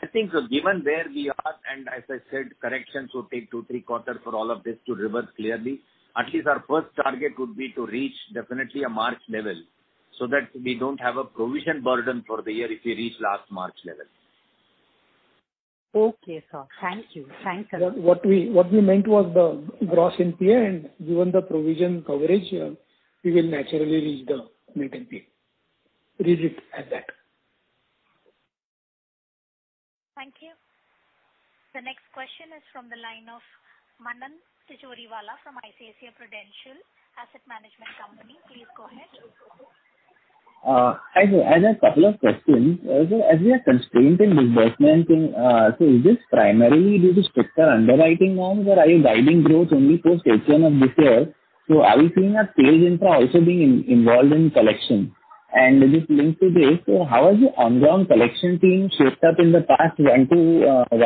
[SPEAKER 3] I think so, given where we are and as I said, corrections will take two, three quarters for all of this to reverse clearly. At least our first target would be to reach definitely a March level so that we don't have a provision burden for the year if we reach last March level.
[SPEAKER 7] Okay, sir. Thank you.
[SPEAKER 5] What we meant was the gross NPA and given the provision coverage, we will naturally reach the net NPA. Read it as that.
[SPEAKER 1] Thank you. The next question is from the line of Manan Tijoriwala from ICICI Prudential Asset Management Company. Please go ahead.
[SPEAKER 8] Hi, sir. I had a couple of questions. As we are constrained in disbursement, is this primarily due to stricter underwriting norms, or are you guiding growth only for stage one of this year? Are we seeing that sales infra also being involved in collection? This links to this, how has your on-ground collection team shaped up in the past one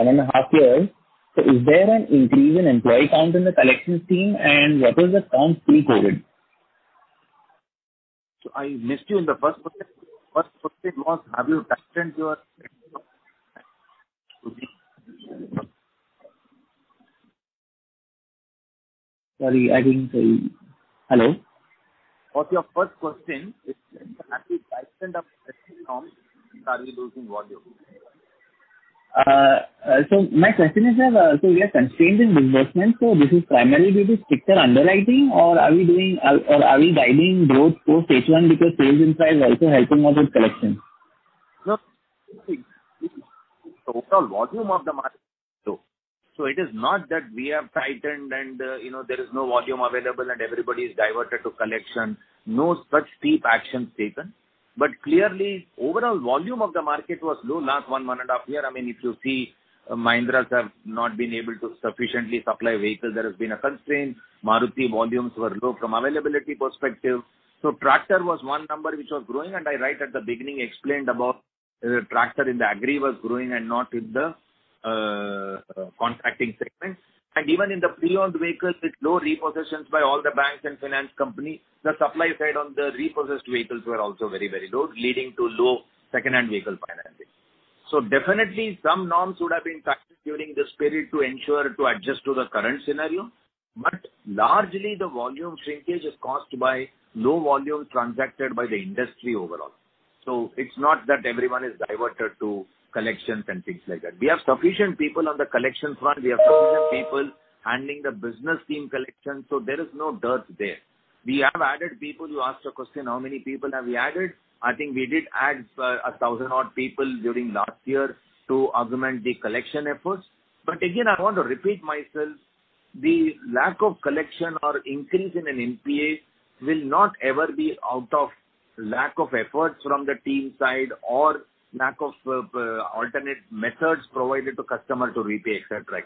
[SPEAKER 8] and a half years? Is there an increase in employee count in the collections team and what was the count pre-COVID?
[SPEAKER 3] I missed you in the first question. First question was, have you tightened your?
[SPEAKER 8] Sorry, I didn't hear you. Hello?
[SPEAKER 3] What's your first question? Have we tightened up collection norms and are we losing volume?
[SPEAKER 8] My question is that, so we are constrained in disbursement, so this is primarily due to stricter underwriting, or are we guiding growth for stage one because sales infra is also helping us with collection?
[SPEAKER 3] No. The overall volume of the market is low. It is not that we have tightened and there is no volume available and everybody is diverted to collection. No such steep action taken. Clearly, overall volume of the market was low last one and a half years. If you see, Mahindra have not been able to sufficiently supply vehicles. There has been a constraint. Maruti volumes were low from availability perspective. Tractor was one number which was growing, and I right at the beginning explained about tractor in the agri was growing and not in the contracting segment. Even in the pre-owned vehicles, with low repossessions by all the banks and finance companies, the supply side on the repossessed vehicles were also very low, leading to low secondhand vehicle financing. Definitely some norms would have been tightened during this period to ensure to adjust to the current scenario. Largely, the volume shrinkage is caused by low volume transacted by the industry overall. It's not that everyone is diverted to collections and things like that. We have sufficient people on the collection front. We have sufficient people handling the business team collection, so there is no dearth there. We have added people. You asked a question, how many people have we added? I think we did add a 1,000-odd people during last year to augment the collection efforts. Again, I want to repeat myself. The lack of collection or increase in an NPA will not ever be out of lack of efforts from the team side or lack of alternate methods provided to customer to repay, et cetera.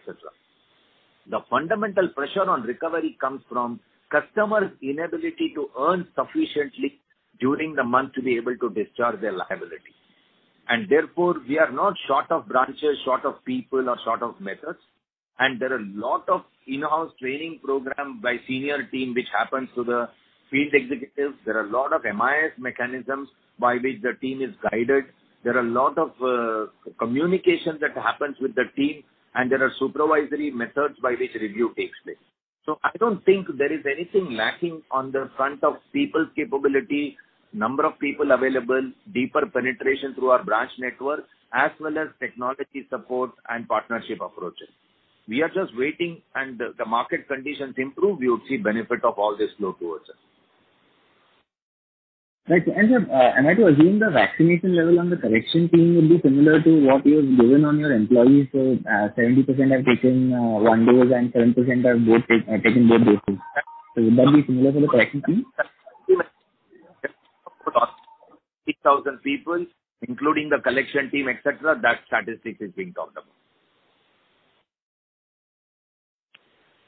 [SPEAKER 3] The fundamental pressure on recovery comes from customers' inability to earn sufficiently during the month to be able to discharge their liability. Therefore, we are not short of branches, short of people, or short of methods. There are a lot of in-house training program by senior team, which happens to the field executives. There are a lot of MIS mechanisms by which the team is guided. There are a lot of communication that happens with the team, and there are supervisory methods by which review takes place. I don't think there is anything lacking on the front of people's capability, number of people available, deeper penetration through our branch network, as well as technology support and partnership approaches. We are just waiting, and the market conditions improve, we would see benefit of all this flow towards us.
[SPEAKER 8] Right. sir, am I to assume the vaccination level on the collection team would be similar to what you have given on your employees? 70% have taken one dose and 10% have taken both doses. Would that be similar for the collection team?
[SPEAKER 3] 8,000 people, including the collection team, et cetera, that statistic is being talked about.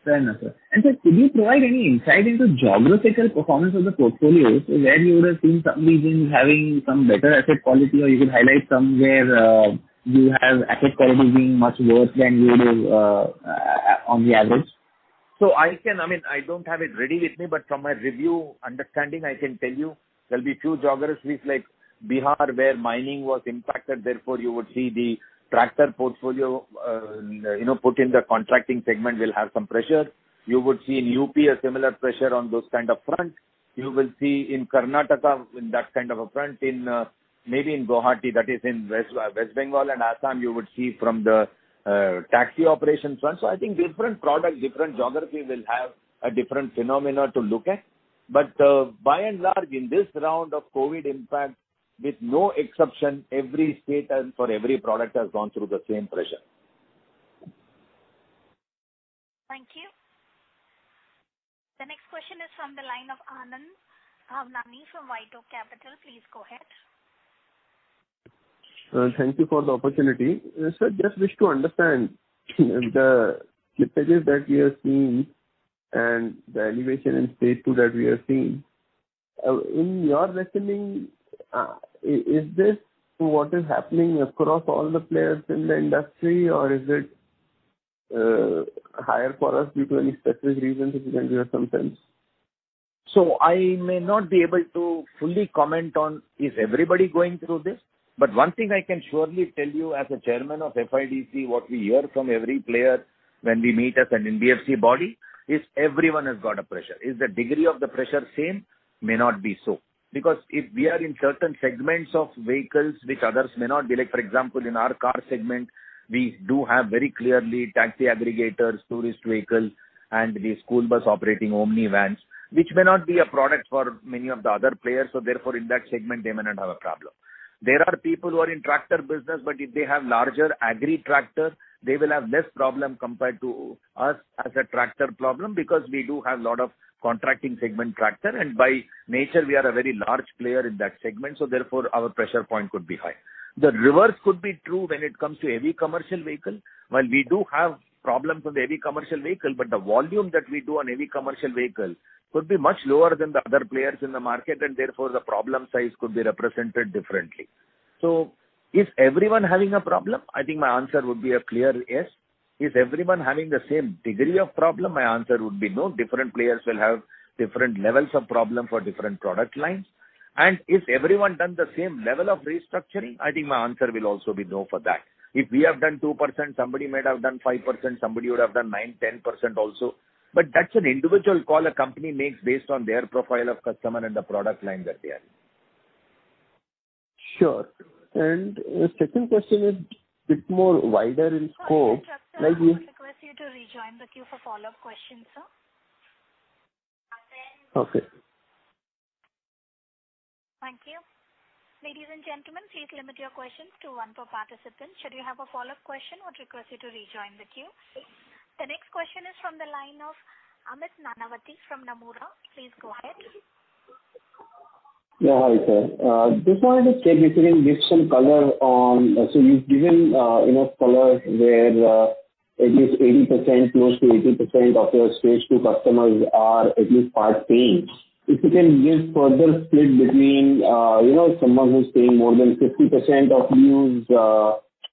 [SPEAKER 8] Fair enough, sir. Sir, could you provide any insight into geographical performance of the portfolio? Where you would have seen some regions having some better asset quality, or you could highlight some where you have asset quality being much worse than you would have on the average.
[SPEAKER 3] I don't have it ready with me, but from my review understanding, I can tell you there'll be few geographies like Bihar, where mining was impacted, therefore, you would see the tractor portfolio put in the contracting segment will have some pressure. You would see in UP a similar pressure on those kind of fronts. You will see in Karnataka in that kind of a front. Maybe in Guwahati, that is in West Bengal and Assam, you would see from the taxi operation front. I think different product, different geography will have a different phenomena to look at. By and large, in this round of COVID impact, with no exception, every state and for every product has gone through the same pressure.
[SPEAKER 1] Thank you. The next question is from the line of Anand Bhavnani from White Oak Capital. Please go ahead.
[SPEAKER 9] Thank you for the opportunity. Sir, just wish to understand the slippages that we are seeing and the elevation in stage two that we are seeing. In your reckoning, is this what is happening across all the players in the industry, or is it higher for us due to any specific reasons? If you can give some sense.
[SPEAKER 3] I may not be able to fully comment on, is everybody going through this? One thing I can surely tell you as a chairman of FIDC, what we hear from every player when we meet as an NBFC body, is everyone has got a pressure. Is the degree of the pressure same? May not be so. If we are in certain segments of vehicles which others may not be, like for example, in our car segment, we do have very clearly taxi aggregators, tourist vehicles, and the school bus operating Omni vans, which may not be a product for many of the other players, so therefore, in that segment, they may not have a problem. There are people who are in tractor business, but if they have larger agri tractor, they will have less problem compared to us as a tractor problem because we do have lot of contracting segment tractor, and by nature, we are a very large player in that segment, so therefore, our pressure point could be high. The reverse could be true when it comes to heavy commercial vehicle. While we do have problems with heavy commercial vehicle, but the volume that we do on heavy commercial vehicle could be much lower than the other players in the market, and therefore, the problem size could be represented differently. Is everyone having a problem? I think my answer would be a clear yes. Is everyone having the same degree of problem? My answer would be no. Different players will have different levels of problem for different product lines. Is everyone done the same level of restructuring? I think my answer will also be no for that. If we have done 2%, somebody might have done 5%, somebody would have done 9%, 10% also. That's an individual call a company makes based on their profile of customer and the product line that they are in.
[SPEAKER 9] Sure. Second question is bit more wider in scope-
[SPEAKER 1] Sir, can I request you to rejoin the queue for follow-up questions, sir?
[SPEAKER 9] Okay.
[SPEAKER 1] Thank you. Ladies and gentlemen, please limit your questions to one per participant. Should you have a follow-up question, I would request you to rejoin the queue. The next question is from the line of Jwalant Nanavati from Nomura. Please go ahead.
[SPEAKER 10] Hi, sir. Just wanted to check if you can give some color on, you've given enough color where at least 80%, close to 80% of your stage two customers are at least part paying. If you can give further split between someone who's paying more than 50% of dues,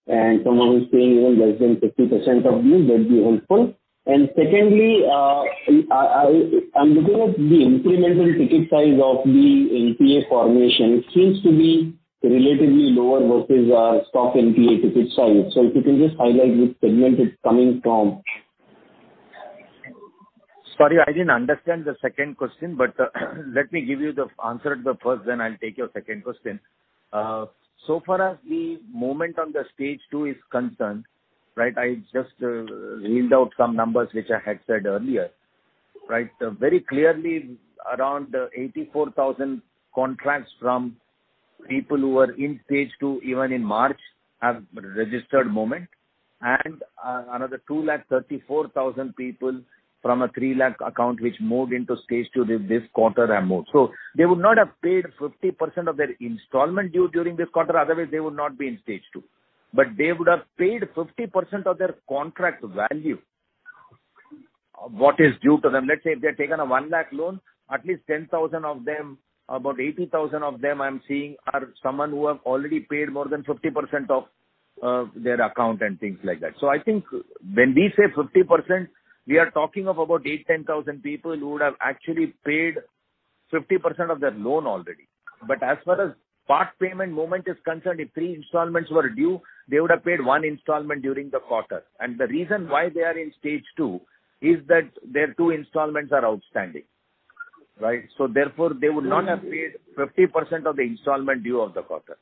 [SPEAKER 10] and someone who's paying even less than 50% of dues, that'd be helpful. Secondly, I'm looking at the incremental ticket size of the NPA formation. It seems to be relatively lower versus our stock NPA ticket size. If you can just highlight which segment it's coming from.
[SPEAKER 3] Sorry, I didn't understand the second question, but let me give you the answer to the first then I'll take your second question. Far as the movement on the stage two is concerned, I just read out some numbers which I had said earlier. Very clearly, around 84,000 contracts from people who were in stage two even in March have registered movement. Another 234,000 people from a 300,000 account which moved into stage two this quarter have moved. They would not have paid 50% of their installment due during this quarter. Otherwise they would not be in stage two. They would have paid 50% of their contract value what is due to them. Let's say if they have taken a 100,000 loan, at least 10,000 of them, about 80,000 of them, I'm seeing, are someone who have already paid more than 50% of their account and things like that. I think when we say 50%, we are talking of about 8,000-10,000 people who would have actually paid 50% of their loan already. As far as part payment movement is concerned, if three installments were due, they would have paid one installment during the quarter. The reason why they are in stage two is that their two installments are outstanding. Right? Therefore, they would not have paid 50% of the installment due of the quarter.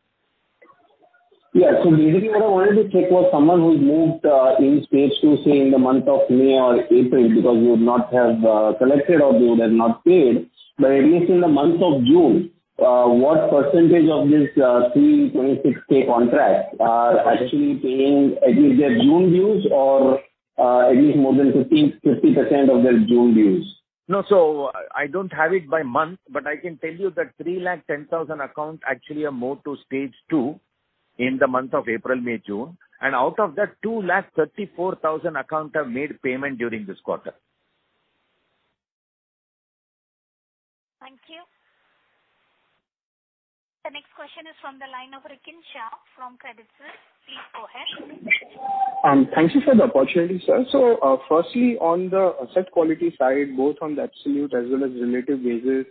[SPEAKER 10] Basically what I wanted to check was someone who's moved in stage two, say, in the month of May or April, because you would not have collected or they would have not paid. At least in the month of June, what percentage of this 326,000 contracts are actually paying at least their June dues or at least more than 50% of their June dues?
[SPEAKER 3] No. I don't have it by month, but I can tell you that 310,000 accounts actually have moved to stage two in the month of April, May, June. Out of that, 234,000 accounts have made payment during this quarter.
[SPEAKER 1] Thank you. The next question is from the line of Rikin Shah from Credit Suisse. Please go ahead.
[SPEAKER 11] Thank you for the opportunity, sir. Firstly, on the asset quality side, both on the absolute as well as relative basis,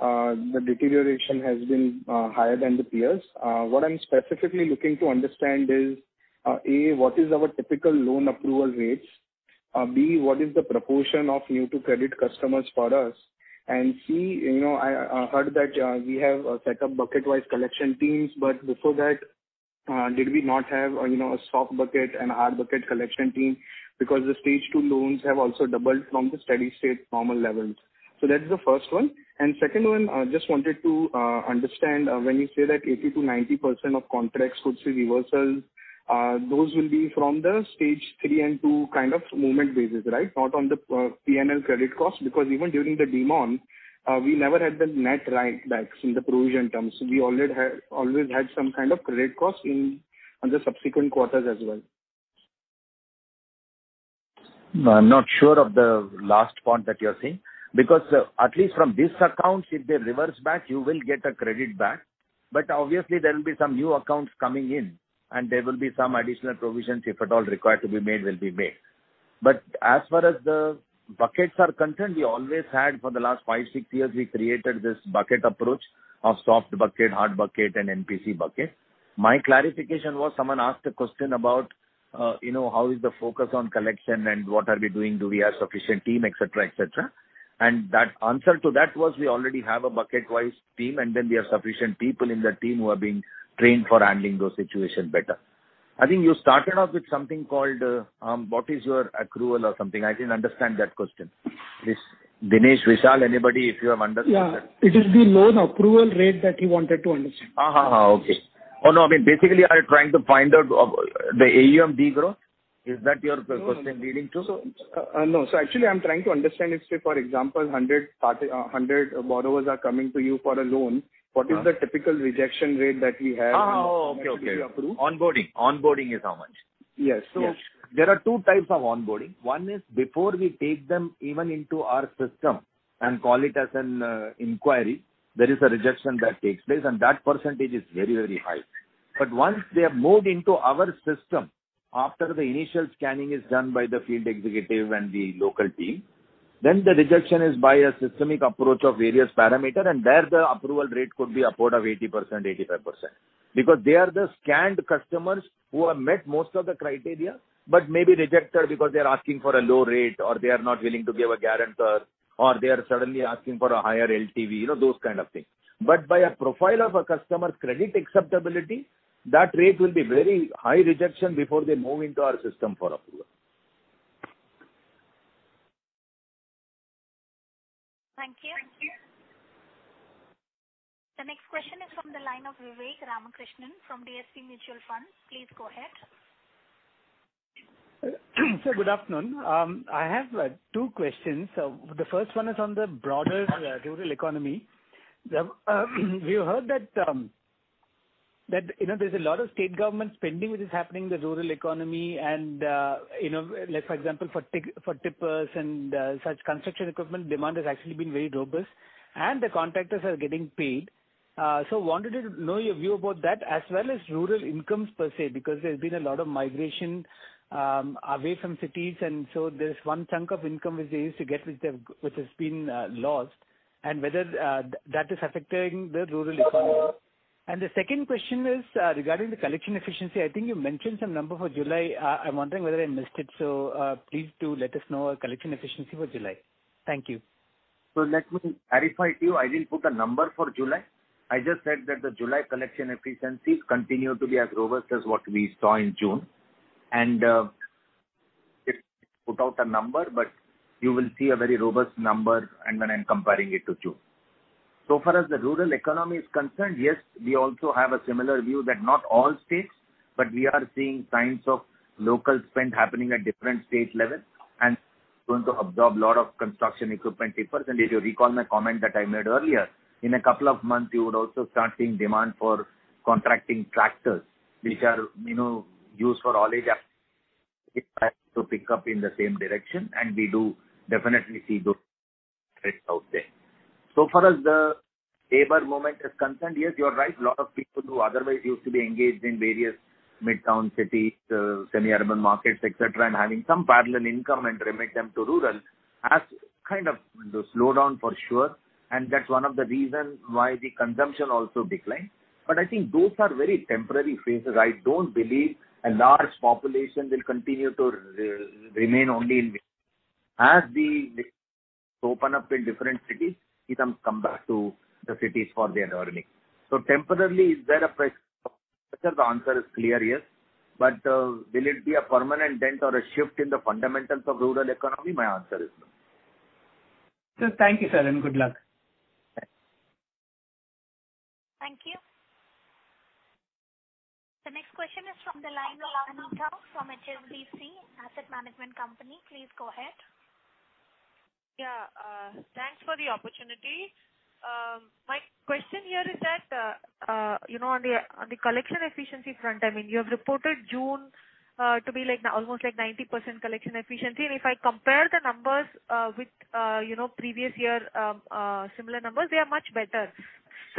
[SPEAKER 11] the deterioration has been higher than the peers. What I'm specifically looking to understand is, A, what is our typical loan approval rates? B, what is the proportion of new-to-credit customers for us? C, I heard that we have set up bucket-wise collection teams, but before that, did we not have a soft bucket and a hard bucket collection team? Because the stage two loans have also doubled from the steady state normal levels. That is the first one. Second one, just wanted to understand when you say that 80%-90% of contracts could see reversals, those will be from the stage three and two kind of movement basis, right? Not on the P&L credit cost, because even during the Demon, we never had the net write-backs in the provision terms. We always had some kind of credit cost on the subsequent quarters as well.
[SPEAKER 3] I'm not sure of the last point that you're saying, because at least from this account, if they reverse back, you will get a credit back. Obviously there will be some new accounts coming in, and there will be some additional provisions, if at all required to be made, will be made. As far as the buckets are concerned, we always had for the last five, six years, we created this bucket approach of soft bucket, hard bucket, and NPC bucket. My clarification was, someone asked a question about how is the focus on collection and what are we doing, do we have sufficient team, et cetera. Answer to that was, we already have a bucket-wise team, and then we have sufficient people in the team who are being trained for handling those situations better. I think you started off with something called, what is your accrual or something. I didn't understand that question. Dinesh, Vishal, anybody, if you have understood that.
[SPEAKER 5] Yeah. It is the loan approval rate that he wanted to understand.
[SPEAKER 3] Okay. No, basically, are you trying to find out the AUM de-growth? Is that your question leading to?
[SPEAKER 11] No. actually, I'm trying to understand if, say, for example, 100 borrowers are coming to you for a loan-
[SPEAKER 3] Right.
[SPEAKER 11] what is the typical rejection rate that we have?
[SPEAKER 3] Okay
[SPEAKER 11] to be approved?
[SPEAKER 3] Onboarding. Onboarding is how much.
[SPEAKER 11] Yes.
[SPEAKER 3] Yes. There are two types of onboarding. One is before we take them even into our system and call it as an inquiry, there is a rejection that takes place, and that percentage is very high. Once they have moved into our system, after the initial scanning is done by the field executive and the local team, then the rejection is by a systemic approach of various parameter, and there the approval rate could be upward of 80%, 85%. Because they are the scanned customers who have met most of the criteria, but may be rejected because they're asking for a low rate, or they are not willing to give a guarantor, or they are suddenly asking for a higher LTV, those kind of things. By a profile of a customer's credit acceptability, that rate will be very high rejection before they move into our system for approval.
[SPEAKER 1] Thank you. The next question is from the line of Vivek Ramakrishnan from DSP Mutual Fund. Please go ahead.
[SPEAKER 12] Sir, good afternoon. I have two questions. The first one is on the broader rural economy. We heard that there's a lot of state government spending which is happening in the rural economy and, for example, for tippers and such construction equipment, demand has actually been very robust and the contractors are getting paid. Wanted to know your view about that as well as rural incomes per se, because there's been a lot of migration away from cities, and so there is one chunk of income which they used to get which has been lost and whether that is affecting the rural economy. The second question is regarding the collection efficiency. I think you mentioned some number for July. I'm wondering whether I missed it. Please do let us know our collection efficiency for July. Thank you.
[SPEAKER 3] Let me clarify to you, I didn't put a number for July. I just said that the July collection efficiencies continue to be as robust as what we saw in June. I didn't put out a number, but you will see a very robust number and when I'm comparing it to June. So far as the rural economy is concerned, yes, we also have a similar view that not all states, but we are seeing signs of local spend happening at different state levels and going to absorb a lot of construction equipment tippers, and if you recall my comment that I made earlier, in a couple of months, you would also start seeing demand for contracting tractors, which are used for all these to pick up in the same direction, and we do definitely see those trends out there. As far as the labor movement is concerned, yes, you are right. A lot of people who otherwise used to be engaged in various midtown cities, semi-urban markets, et cetera, and having some parallel income and remit them to rural has kind of slowed down for sure, and that's one of the reasons why the consumption also declined. I think those are very temporary phases. I don't believe a large population will continue to remain only in. As the open up in different cities, people come back to the cities for their earnings. Temporarily, is there a pressure? The answer is clear, yes. Will it be a permanent dent or a shift in the fundamentals of rural economy? My answer is no.
[SPEAKER 12] Thank you, sir, and good luck.
[SPEAKER 3] Thanks.
[SPEAKER 1] Thank you. The next question is from the line of Anita from HSBC Asset Management Company. Please go ahead.
[SPEAKER 13] Yeah, thanks for the opportunity. My question here is that on the collection efficiency front, you have reported June to be almost 90% collection efficiency, and if I compare the numbers with previous year similar numbers, they are much better.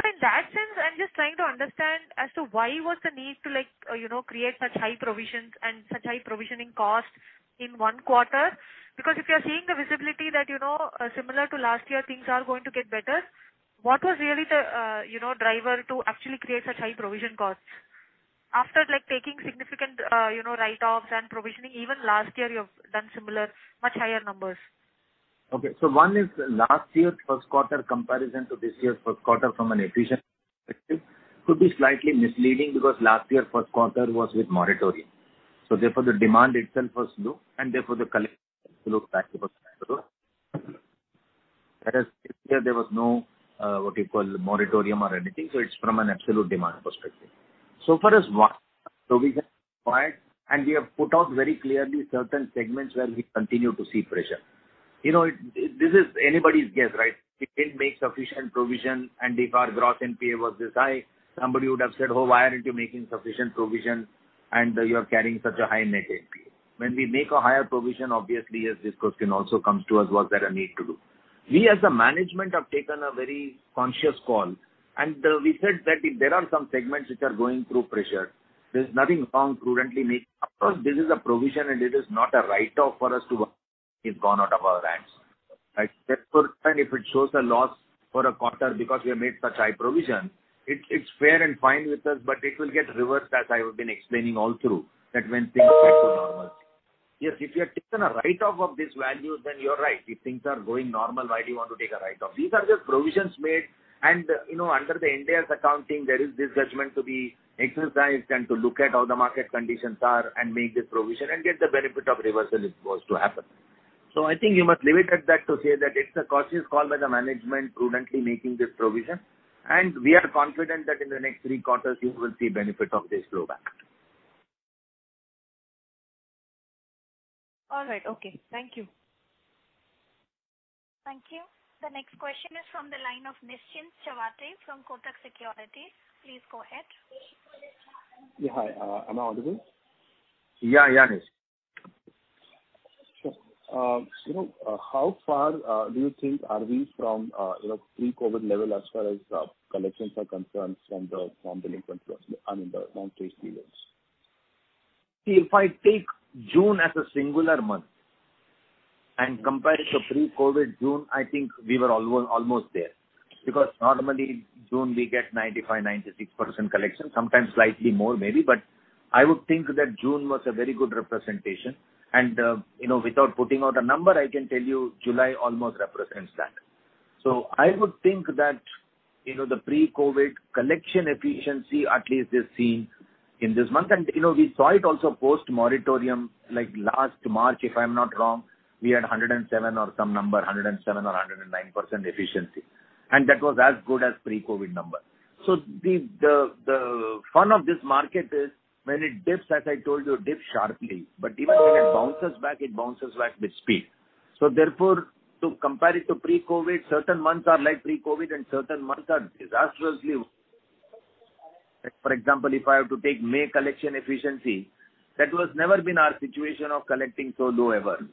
[SPEAKER 13] In that sense, I'm just trying to understand as to why was the need to create such high provisions and such high provisioning costs in one quarter. If you're seeing the visibility that similar to last year, things are going to get better, what was really the driver to actually create such high provision costs after taking significant write-offs and provisioning, even last year you have done similar, much higher numbers.
[SPEAKER 3] One is last year's first quarter comparison to this year's first quarter from an efficiency perspective could be slightly misleading because last year first quarter was with moratorium. Therefore, the demand itself was low, and therefore, the collection itself was. Whereas this year there was no, what you call, moratorium or anything. It's from an absolute demand perspective. Far as and we have put out very clearly certain segments where we continue to see pressure. This is anybody's guess, right? We didn't make sufficient provision and if our gross NPA was this high, somebody would have said, "Oh, why aren't you making sufficient provision and you're carrying such a high net NPA?" When we make a higher provision, obviously, yes, this question also comes to us, was there a need to do? We, as a management, have taken a very conscious call, and we said that if there are some segments which are going through pressure, there's nothing wrong prudently making. Of course, this is a provision and it is not a write-off for us to go out of our ranks, right? Therefore, if it shows a loss for a quarter because we have made such high provision, it's fair and fine with us, but it will get reversed as I have been explaining all through that when things back to normal. Yes, if you have taken a write-off of these values, then you're right. If things are going normal, why do you want to take a write-off? These are just provisions made and under the India's accounting, there is this judgment to be exercised and to look at how the market conditions are and make this provision and get the benefit of reversal if it was to happen. I think you must leave it at that to say that it's a conscious call by the management prudently making this provision, and we are confident that in the next three quarters you will see benefit of this throwback.
[SPEAKER 13] All right. Okay. Thank you.
[SPEAKER 1] Thank you. The next question is from the line of Nischint Chawathe from Kotak Securities. Please go ahead.
[SPEAKER 14] Yeah. Hi. Am I audible?
[SPEAKER 3] Yeah.
[SPEAKER 14] Sure. How far do you think are we from pre-COVID level as far as collections are concerned from the non-delinquent loans, I mean the non-stage three loans?
[SPEAKER 3] If I take June as a singular month and compare it to pre-COVID June, I think we were almost there because normally June we get 95%, 96% collection, sometimes slightly more maybe, but I would think that June was a very good representation and without putting out a number, I can tell you July almost represents that. I would think that the pre-COVID collection efficiency at least is seen in this month. We saw it also post-moratorium like last March, if I'm not wrong, we had 107% or some number, 107% or 109% efficiency, and that was as good as pre-COVID number. The fun of this market is when it dips, as I told you, dip sharply, but even when it bounces back, it bounces back with speed. Therefore, to compare it to pre-COVID, certain months are like pre-COVID and certain months are disastrously. Like for example, if I have to take May collection efficiency, that was never been our situation of collecting so low ever.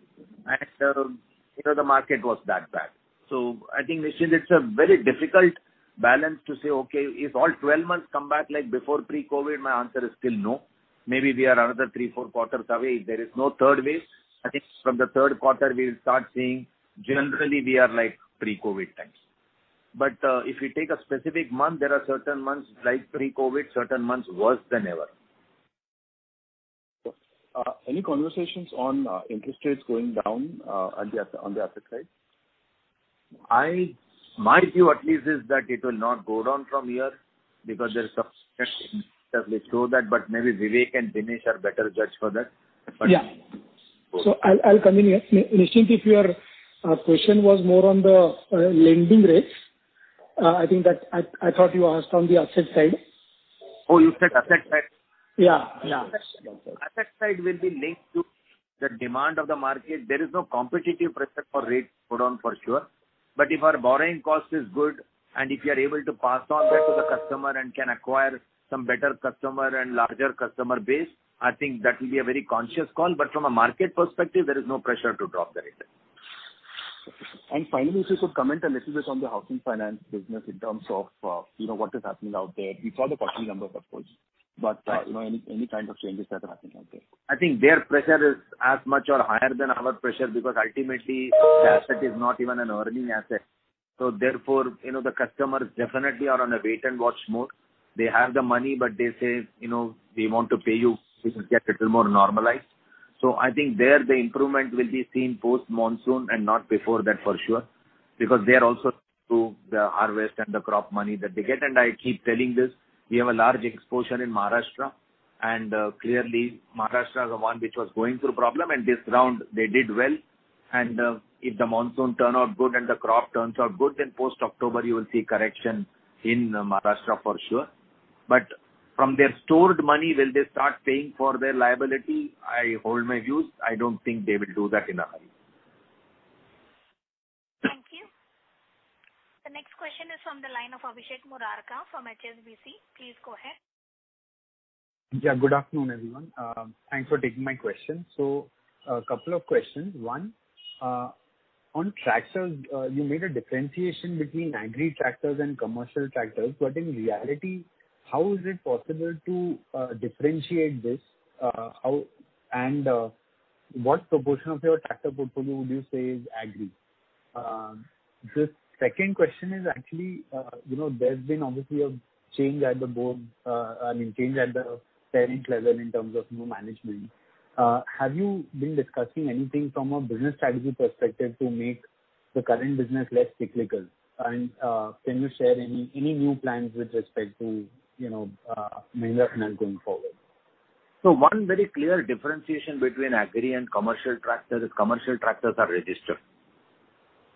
[SPEAKER 3] the market was that bad. I think, Nischint, it's a very difficult balance to say, okay, if all 12 months come back like before pre-COVID, my answer is still no. Maybe we are another three, four quarters away. If there is no third wave, I think from the third quarter we'll start seeing generally we are like pre-COVID times. if you take a specific month, there are certain months like pre-COVID, certain months worse than ever.
[SPEAKER 14] Any conversations on interest rates going down on the asset side?
[SPEAKER 3] My view at least is that it will not go down from here because there show that, but maybe Vivek and Dinesh are better judge for that.
[SPEAKER 5] Yeah. I'll come in here. Nischint, if your question was more on the lending rates, I think that I thought you asked on the asset side.
[SPEAKER 3] Oh, you said asset side?
[SPEAKER 5] Yeah.
[SPEAKER 3] Asset side will be linked to the demand of the market. There is no competitive pressure for rates to go down, for sure. If our borrowing cost is good and if we are able to pass on that to the customer and can acquire some better customer and larger customer base, I think that will be a very conscious call. From a market perspective, there is no pressure to drop the rates.
[SPEAKER 14] Finally, if you could comment a little bit on the housing finance business in terms of what is happening out there. We saw the quarterly numbers, of course, but any kind of changes that are happening out there?
[SPEAKER 3] I think their pressure is as much or higher than our pressure because ultimately the asset is not even an earning asset. Therefore, the customers definitely are on a wait and watch mode. They have the money, but they say, "We want to pay you if it gets a little more normalized." I think there, the improvement will be seen post-monsoon and not before that for sure, because they're also to the harvest and the crop money that they get. I keep telling this, we have a large exposure in Maharashtra, and clearly Maharashtra is the one which was going through problem, and this round they did well. If the monsoon turn out good and the crop turns out good, then post-October you will see correction in Maharashtra for sure. From their stored money, will they start paying for their liability? I hold my views. I don't think they will do that in a hurry.
[SPEAKER 1] Thank you. The next question is from the line of Abhishek Murarka from HSBC. Please go ahead.
[SPEAKER 15] Yeah, good afternoon, everyone. Thanks for taking my question. A couple of questions. One, on tractors, you made a differentiation between agri tractors and commercial tractors. In reality, how is it possible to differentiate this? What proportion of your tractor portfolio would you say is agri? The second question is actually, there's been obviously a change at the board, I mean change at the parent level in terms of new management. Have you been discussing anything from a business strategy perspective to make the current business less cyclical? Can you share any new plans with respect to Mahindra Finance going forward?
[SPEAKER 3] One very clear differentiation between agri and commercial tractors is commercial tractors are registered,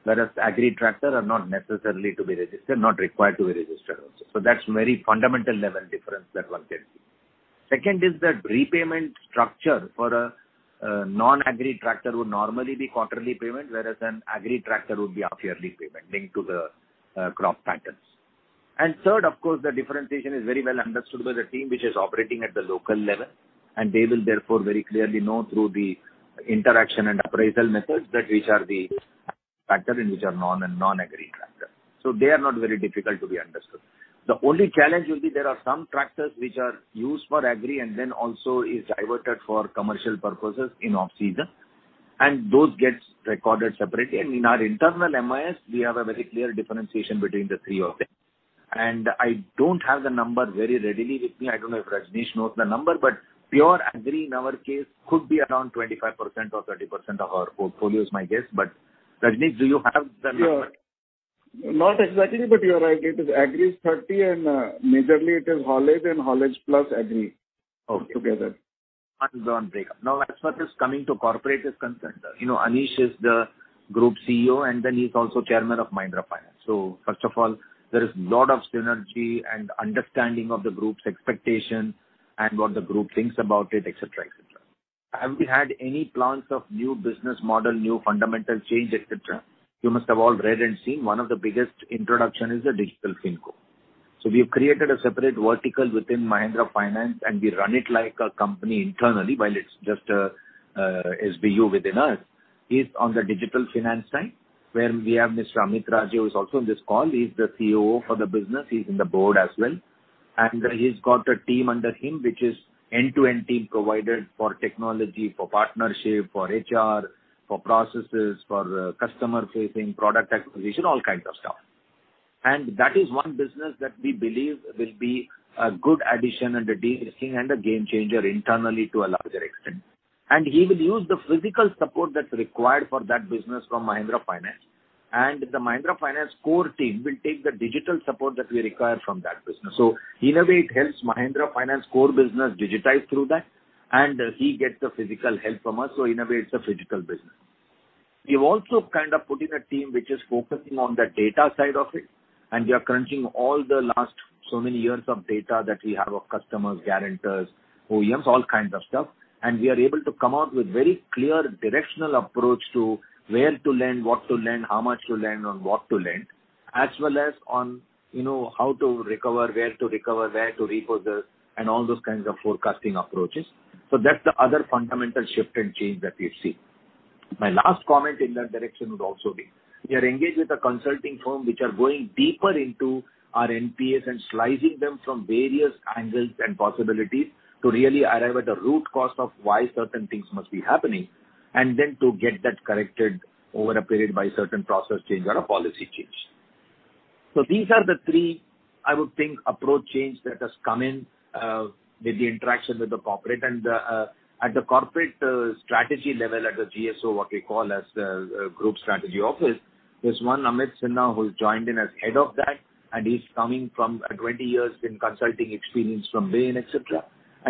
[SPEAKER 3] whereas agri tractors are not necessarily to be registered, not required to be registered also. That's very fundamental level difference that one can see. Second is that repayment structure for a non-agri tractor would normally be quarterly payment, whereas an agri tractor would be half-yearly payment linked to the crop patterns. Third, of course, the differentiation is very well understood by the team which is operating at the local level, and they will therefore very clearly know through the interaction and appraisal methods that which are the pattern which are non and non-agri tractor. They are not very difficult to be understood. The only challenge will be there are some tractors which are used for agri and then also is diverted for commercial purposes in off-season, and those gets recorded separately. In our internal MIS, we have a very clear differentiation between the three of them. I don't have the number very readily with me. I don't know if Rajnish knows the number, but pure agri in our case could be around 25% or 30% of our portfolio is my guess. Rajnish, do you have the number?
[SPEAKER 16] Sure. Not exactly, but you are right. It is agri is 30%, and majorly it is haulage and haulage plus agri together.
[SPEAKER 3] Okay. One break up. Now, as far as coming to corporate is concerned, Anish is the group CEO, and then he's also chairman of Mahindra Finance. first of all, there is lot of synergy and understanding of the group's expectation and what the group thinks about it, et cetera. Have we had any plans of new business model, new fundamental change, et cetera? You must have all read and seen one of the biggest introduction is the digital FinCo. We have created a separate vertical within Mahindra Finance, and we run it like a company internally, while it's just a SBU within us, is on the digital finance side, where we have Mr. Amit Raje, who's also in this call. He's the COO for the business. He's in the board as well. He's got a team under him, which is end-to-end team provided for technology, for partnership, for HR, for processes, for customer-facing product acquisition, all kinds of stuff. That is one business that we believe will be a good addition and a game changer internally to a larger extent. He will use the physical support that's required for that business from Mahindra Finance. The Mahindra Finance core team will take the digital support that we require from that business. In a way, it helps Mahindra Finance core business digitize through that, and he gets the physical help from us. In a way, it's a physical business. We've also kind of put in a team which is focusing on the data side of it, and we are crunching all the last so many years of data that we have of customers, guarantors, OEMs, all kinds of stuff. We are able to come out with very clear directional approach to where to lend, what to lend, how much to lend, on what to lend, as well as on how to recover, where to recover, where to repossess, and all those kinds of forecasting approaches. That's the other fundamental shift and change that we see. My last comment in that direction would also be, we are engaged with a consulting firm which are going deeper into our NPAs and slicing them from various angles and possibilities to really arrive at the root cause of why certain things must be happening, and then to get that corrected over a period by certain process change or a policy change. These are the three, I would think, approach change that has come in with the interaction with the corporate and at the corporate strategy level, at the GSO, what we call as the group strategy office. There's one Amit Sinha, who's joined in as head of that, and he's coming from a 20 years in consulting experience from Bain, et cetera.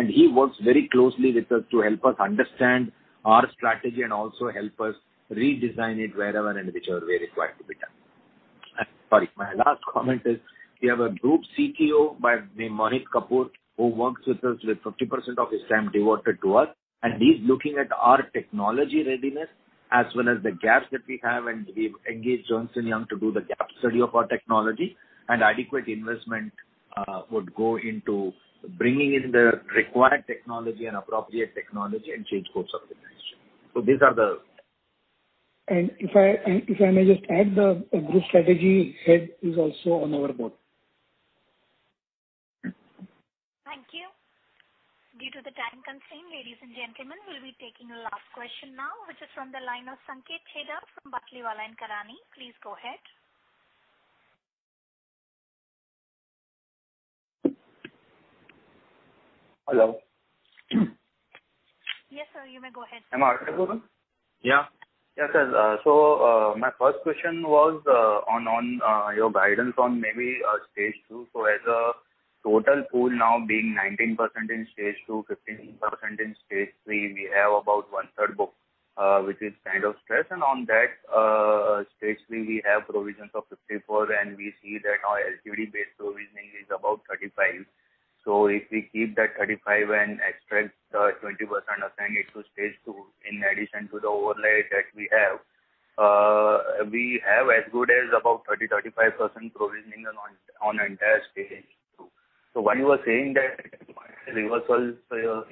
[SPEAKER 3] he works very closely with us to help us understand our strategy and also help us redesign it wherever and whichever way required to be done. Sorry, my last comment is we have a Group CTO by the name Mohit Kapoor, who works with us with 50% of his time devoted to us. he's looking at our technology readiness as well as the gaps that we have. We've engaged [Johnson Young] to do the gap study of our technology and adequate investment would go into bringing in the required technology and appropriate technology and change course of the. these are the-
[SPEAKER 5] If I may just add, the group strategy head is also on our board.
[SPEAKER 1] Thank you. Due to the time constraint, ladies and gentlemen, we'll be taking the last question now, which is from the line of Sanket Chheda from Batlivala & Karani. Please go ahead.
[SPEAKER 17] Hello?
[SPEAKER 1] Yes, sir. You may go ahead.
[SPEAKER 17] Am I audible?
[SPEAKER 3] Yeah.
[SPEAKER 17] Yes, sir. My first question was on your guidance on maybe stage two. As a total pool now being 19% in stage two, 15% in stage three, we have about 1/3 book which is kind of stressed. On that stage three, we have provisions of 54, and we see that our LTV-based provisioning is about 35. If we keep that 35 and extract the 20% assigned it to stage two, in addition to the overlay that we have, we have as good as about 30%-35% provisioning on entire stage two. When you are saying that reversals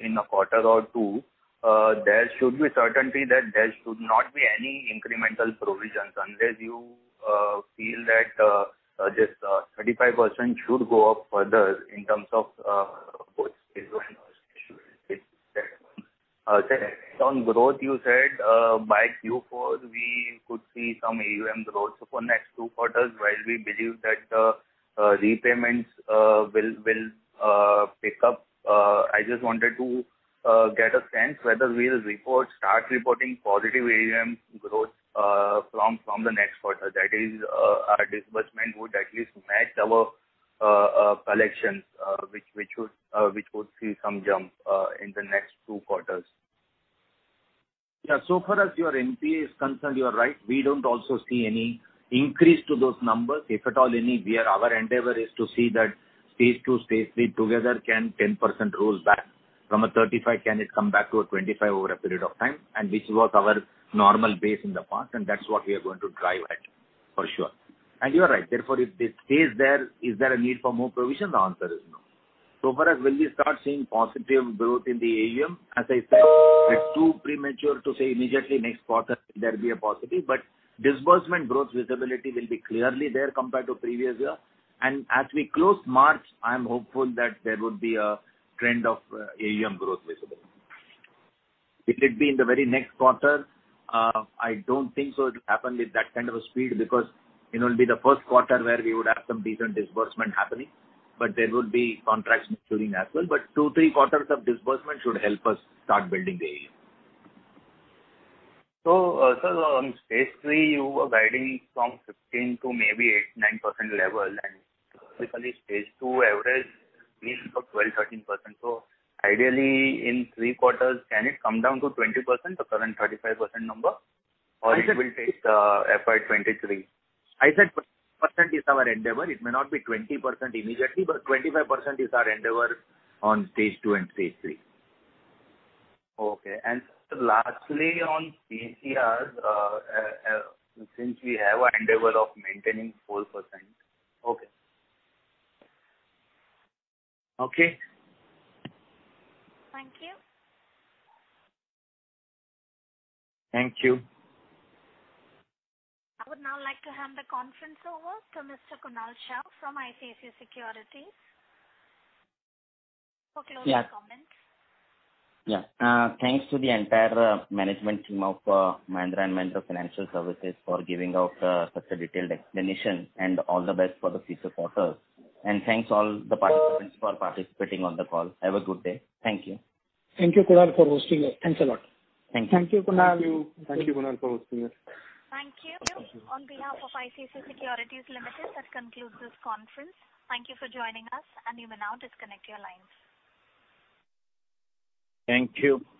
[SPEAKER 17] in a quarter or two, there should be certainty that there should not be any incremental provisions unless you feel that this 35% should go up further in terms of both stage two and stage three. On growth, you said by Q4 we could see some AUM growth for next two quarters while we believe that repayments will pick up. I just wanted to get a sense whether we'll start reporting positive AUM growth from the next quarter. That is, our disbursement would at least match our collections which would see some jump in the next two quarters.
[SPEAKER 3] Yeah, so far as your NPA is concerned, you are right. We don't also see any increase to those numbers. If at all any, our endeavor is to see that stage two, stage three together can 10% rolls back. From a 35, can it come back to a 25 over a period of time? Which was our normal base in the past, and that's what we are going to drive at, for sure. You are right. Therefore, if this is there, is there a need for more provision? The answer is no. For us, will we start seeing positive growth in the AUM? As I said, it's too premature to say immediately next quarter there'll be a positive, but disbursement growth visibility will be clearly there compared to previous year. As we close March, I am hopeful that there would be a trend of AUM growth visibility. Will it be in the very next quarter? I don't think so it'll happen with that kind of a speed because it will be the first quarter where we would have some decent disbursement happening, but there would be contracts maturing as well. Two, three quarters of disbursement should help us start building the AUM.
[SPEAKER 17] Sir, on stage three, you were guiding from 15% to maybe 8%, 9% level, and typically stage two average means for 12%, 13%. ideally in three quarters, can it come down to 20%, the current 35% number-
[SPEAKER 3] I said
[SPEAKER 17] It will take FY 2023?
[SPEAKER 3] I said percent is our endeavor. It may not be 20% immediately, but 25% is our endeavor on stage two and stage three. Lastly, on PCRs, since we have our endeavor of maintaining 4%. Okay.
[SPEAKER 17] Okay.
[SPEAKER 1] Thank you.
[SPEAKER 3] Thank you.
[SPEAKER 1] I would now like to hand the conference over to Mr. Kunal Shah from ICICI Securities for closing comments.
[SPEAKER 2] Yeah. Thanks to the entire management team of Mahindra & Mahindra Financial Services for giving out such a detailed explanation and all the best for the future quarters. Thanks all the participants for participating on the call. Have a good day. Thank you.
[SPEAKER 5] Thank you, Kunal, for hosting us. Thanks a lot.
[SPEAKER 2] Thank you.
[SPEAKER 3] Thank you.
[SPEAKER 5] Thank you, Kunal, for hosting us.
[SPEAKER 1] Thank you. On behalf of ICICI Securities Limited, that concludes this conference. Thank you for joining us, and you may now disconnect your lines.
[SPEAKER 3] Thank you.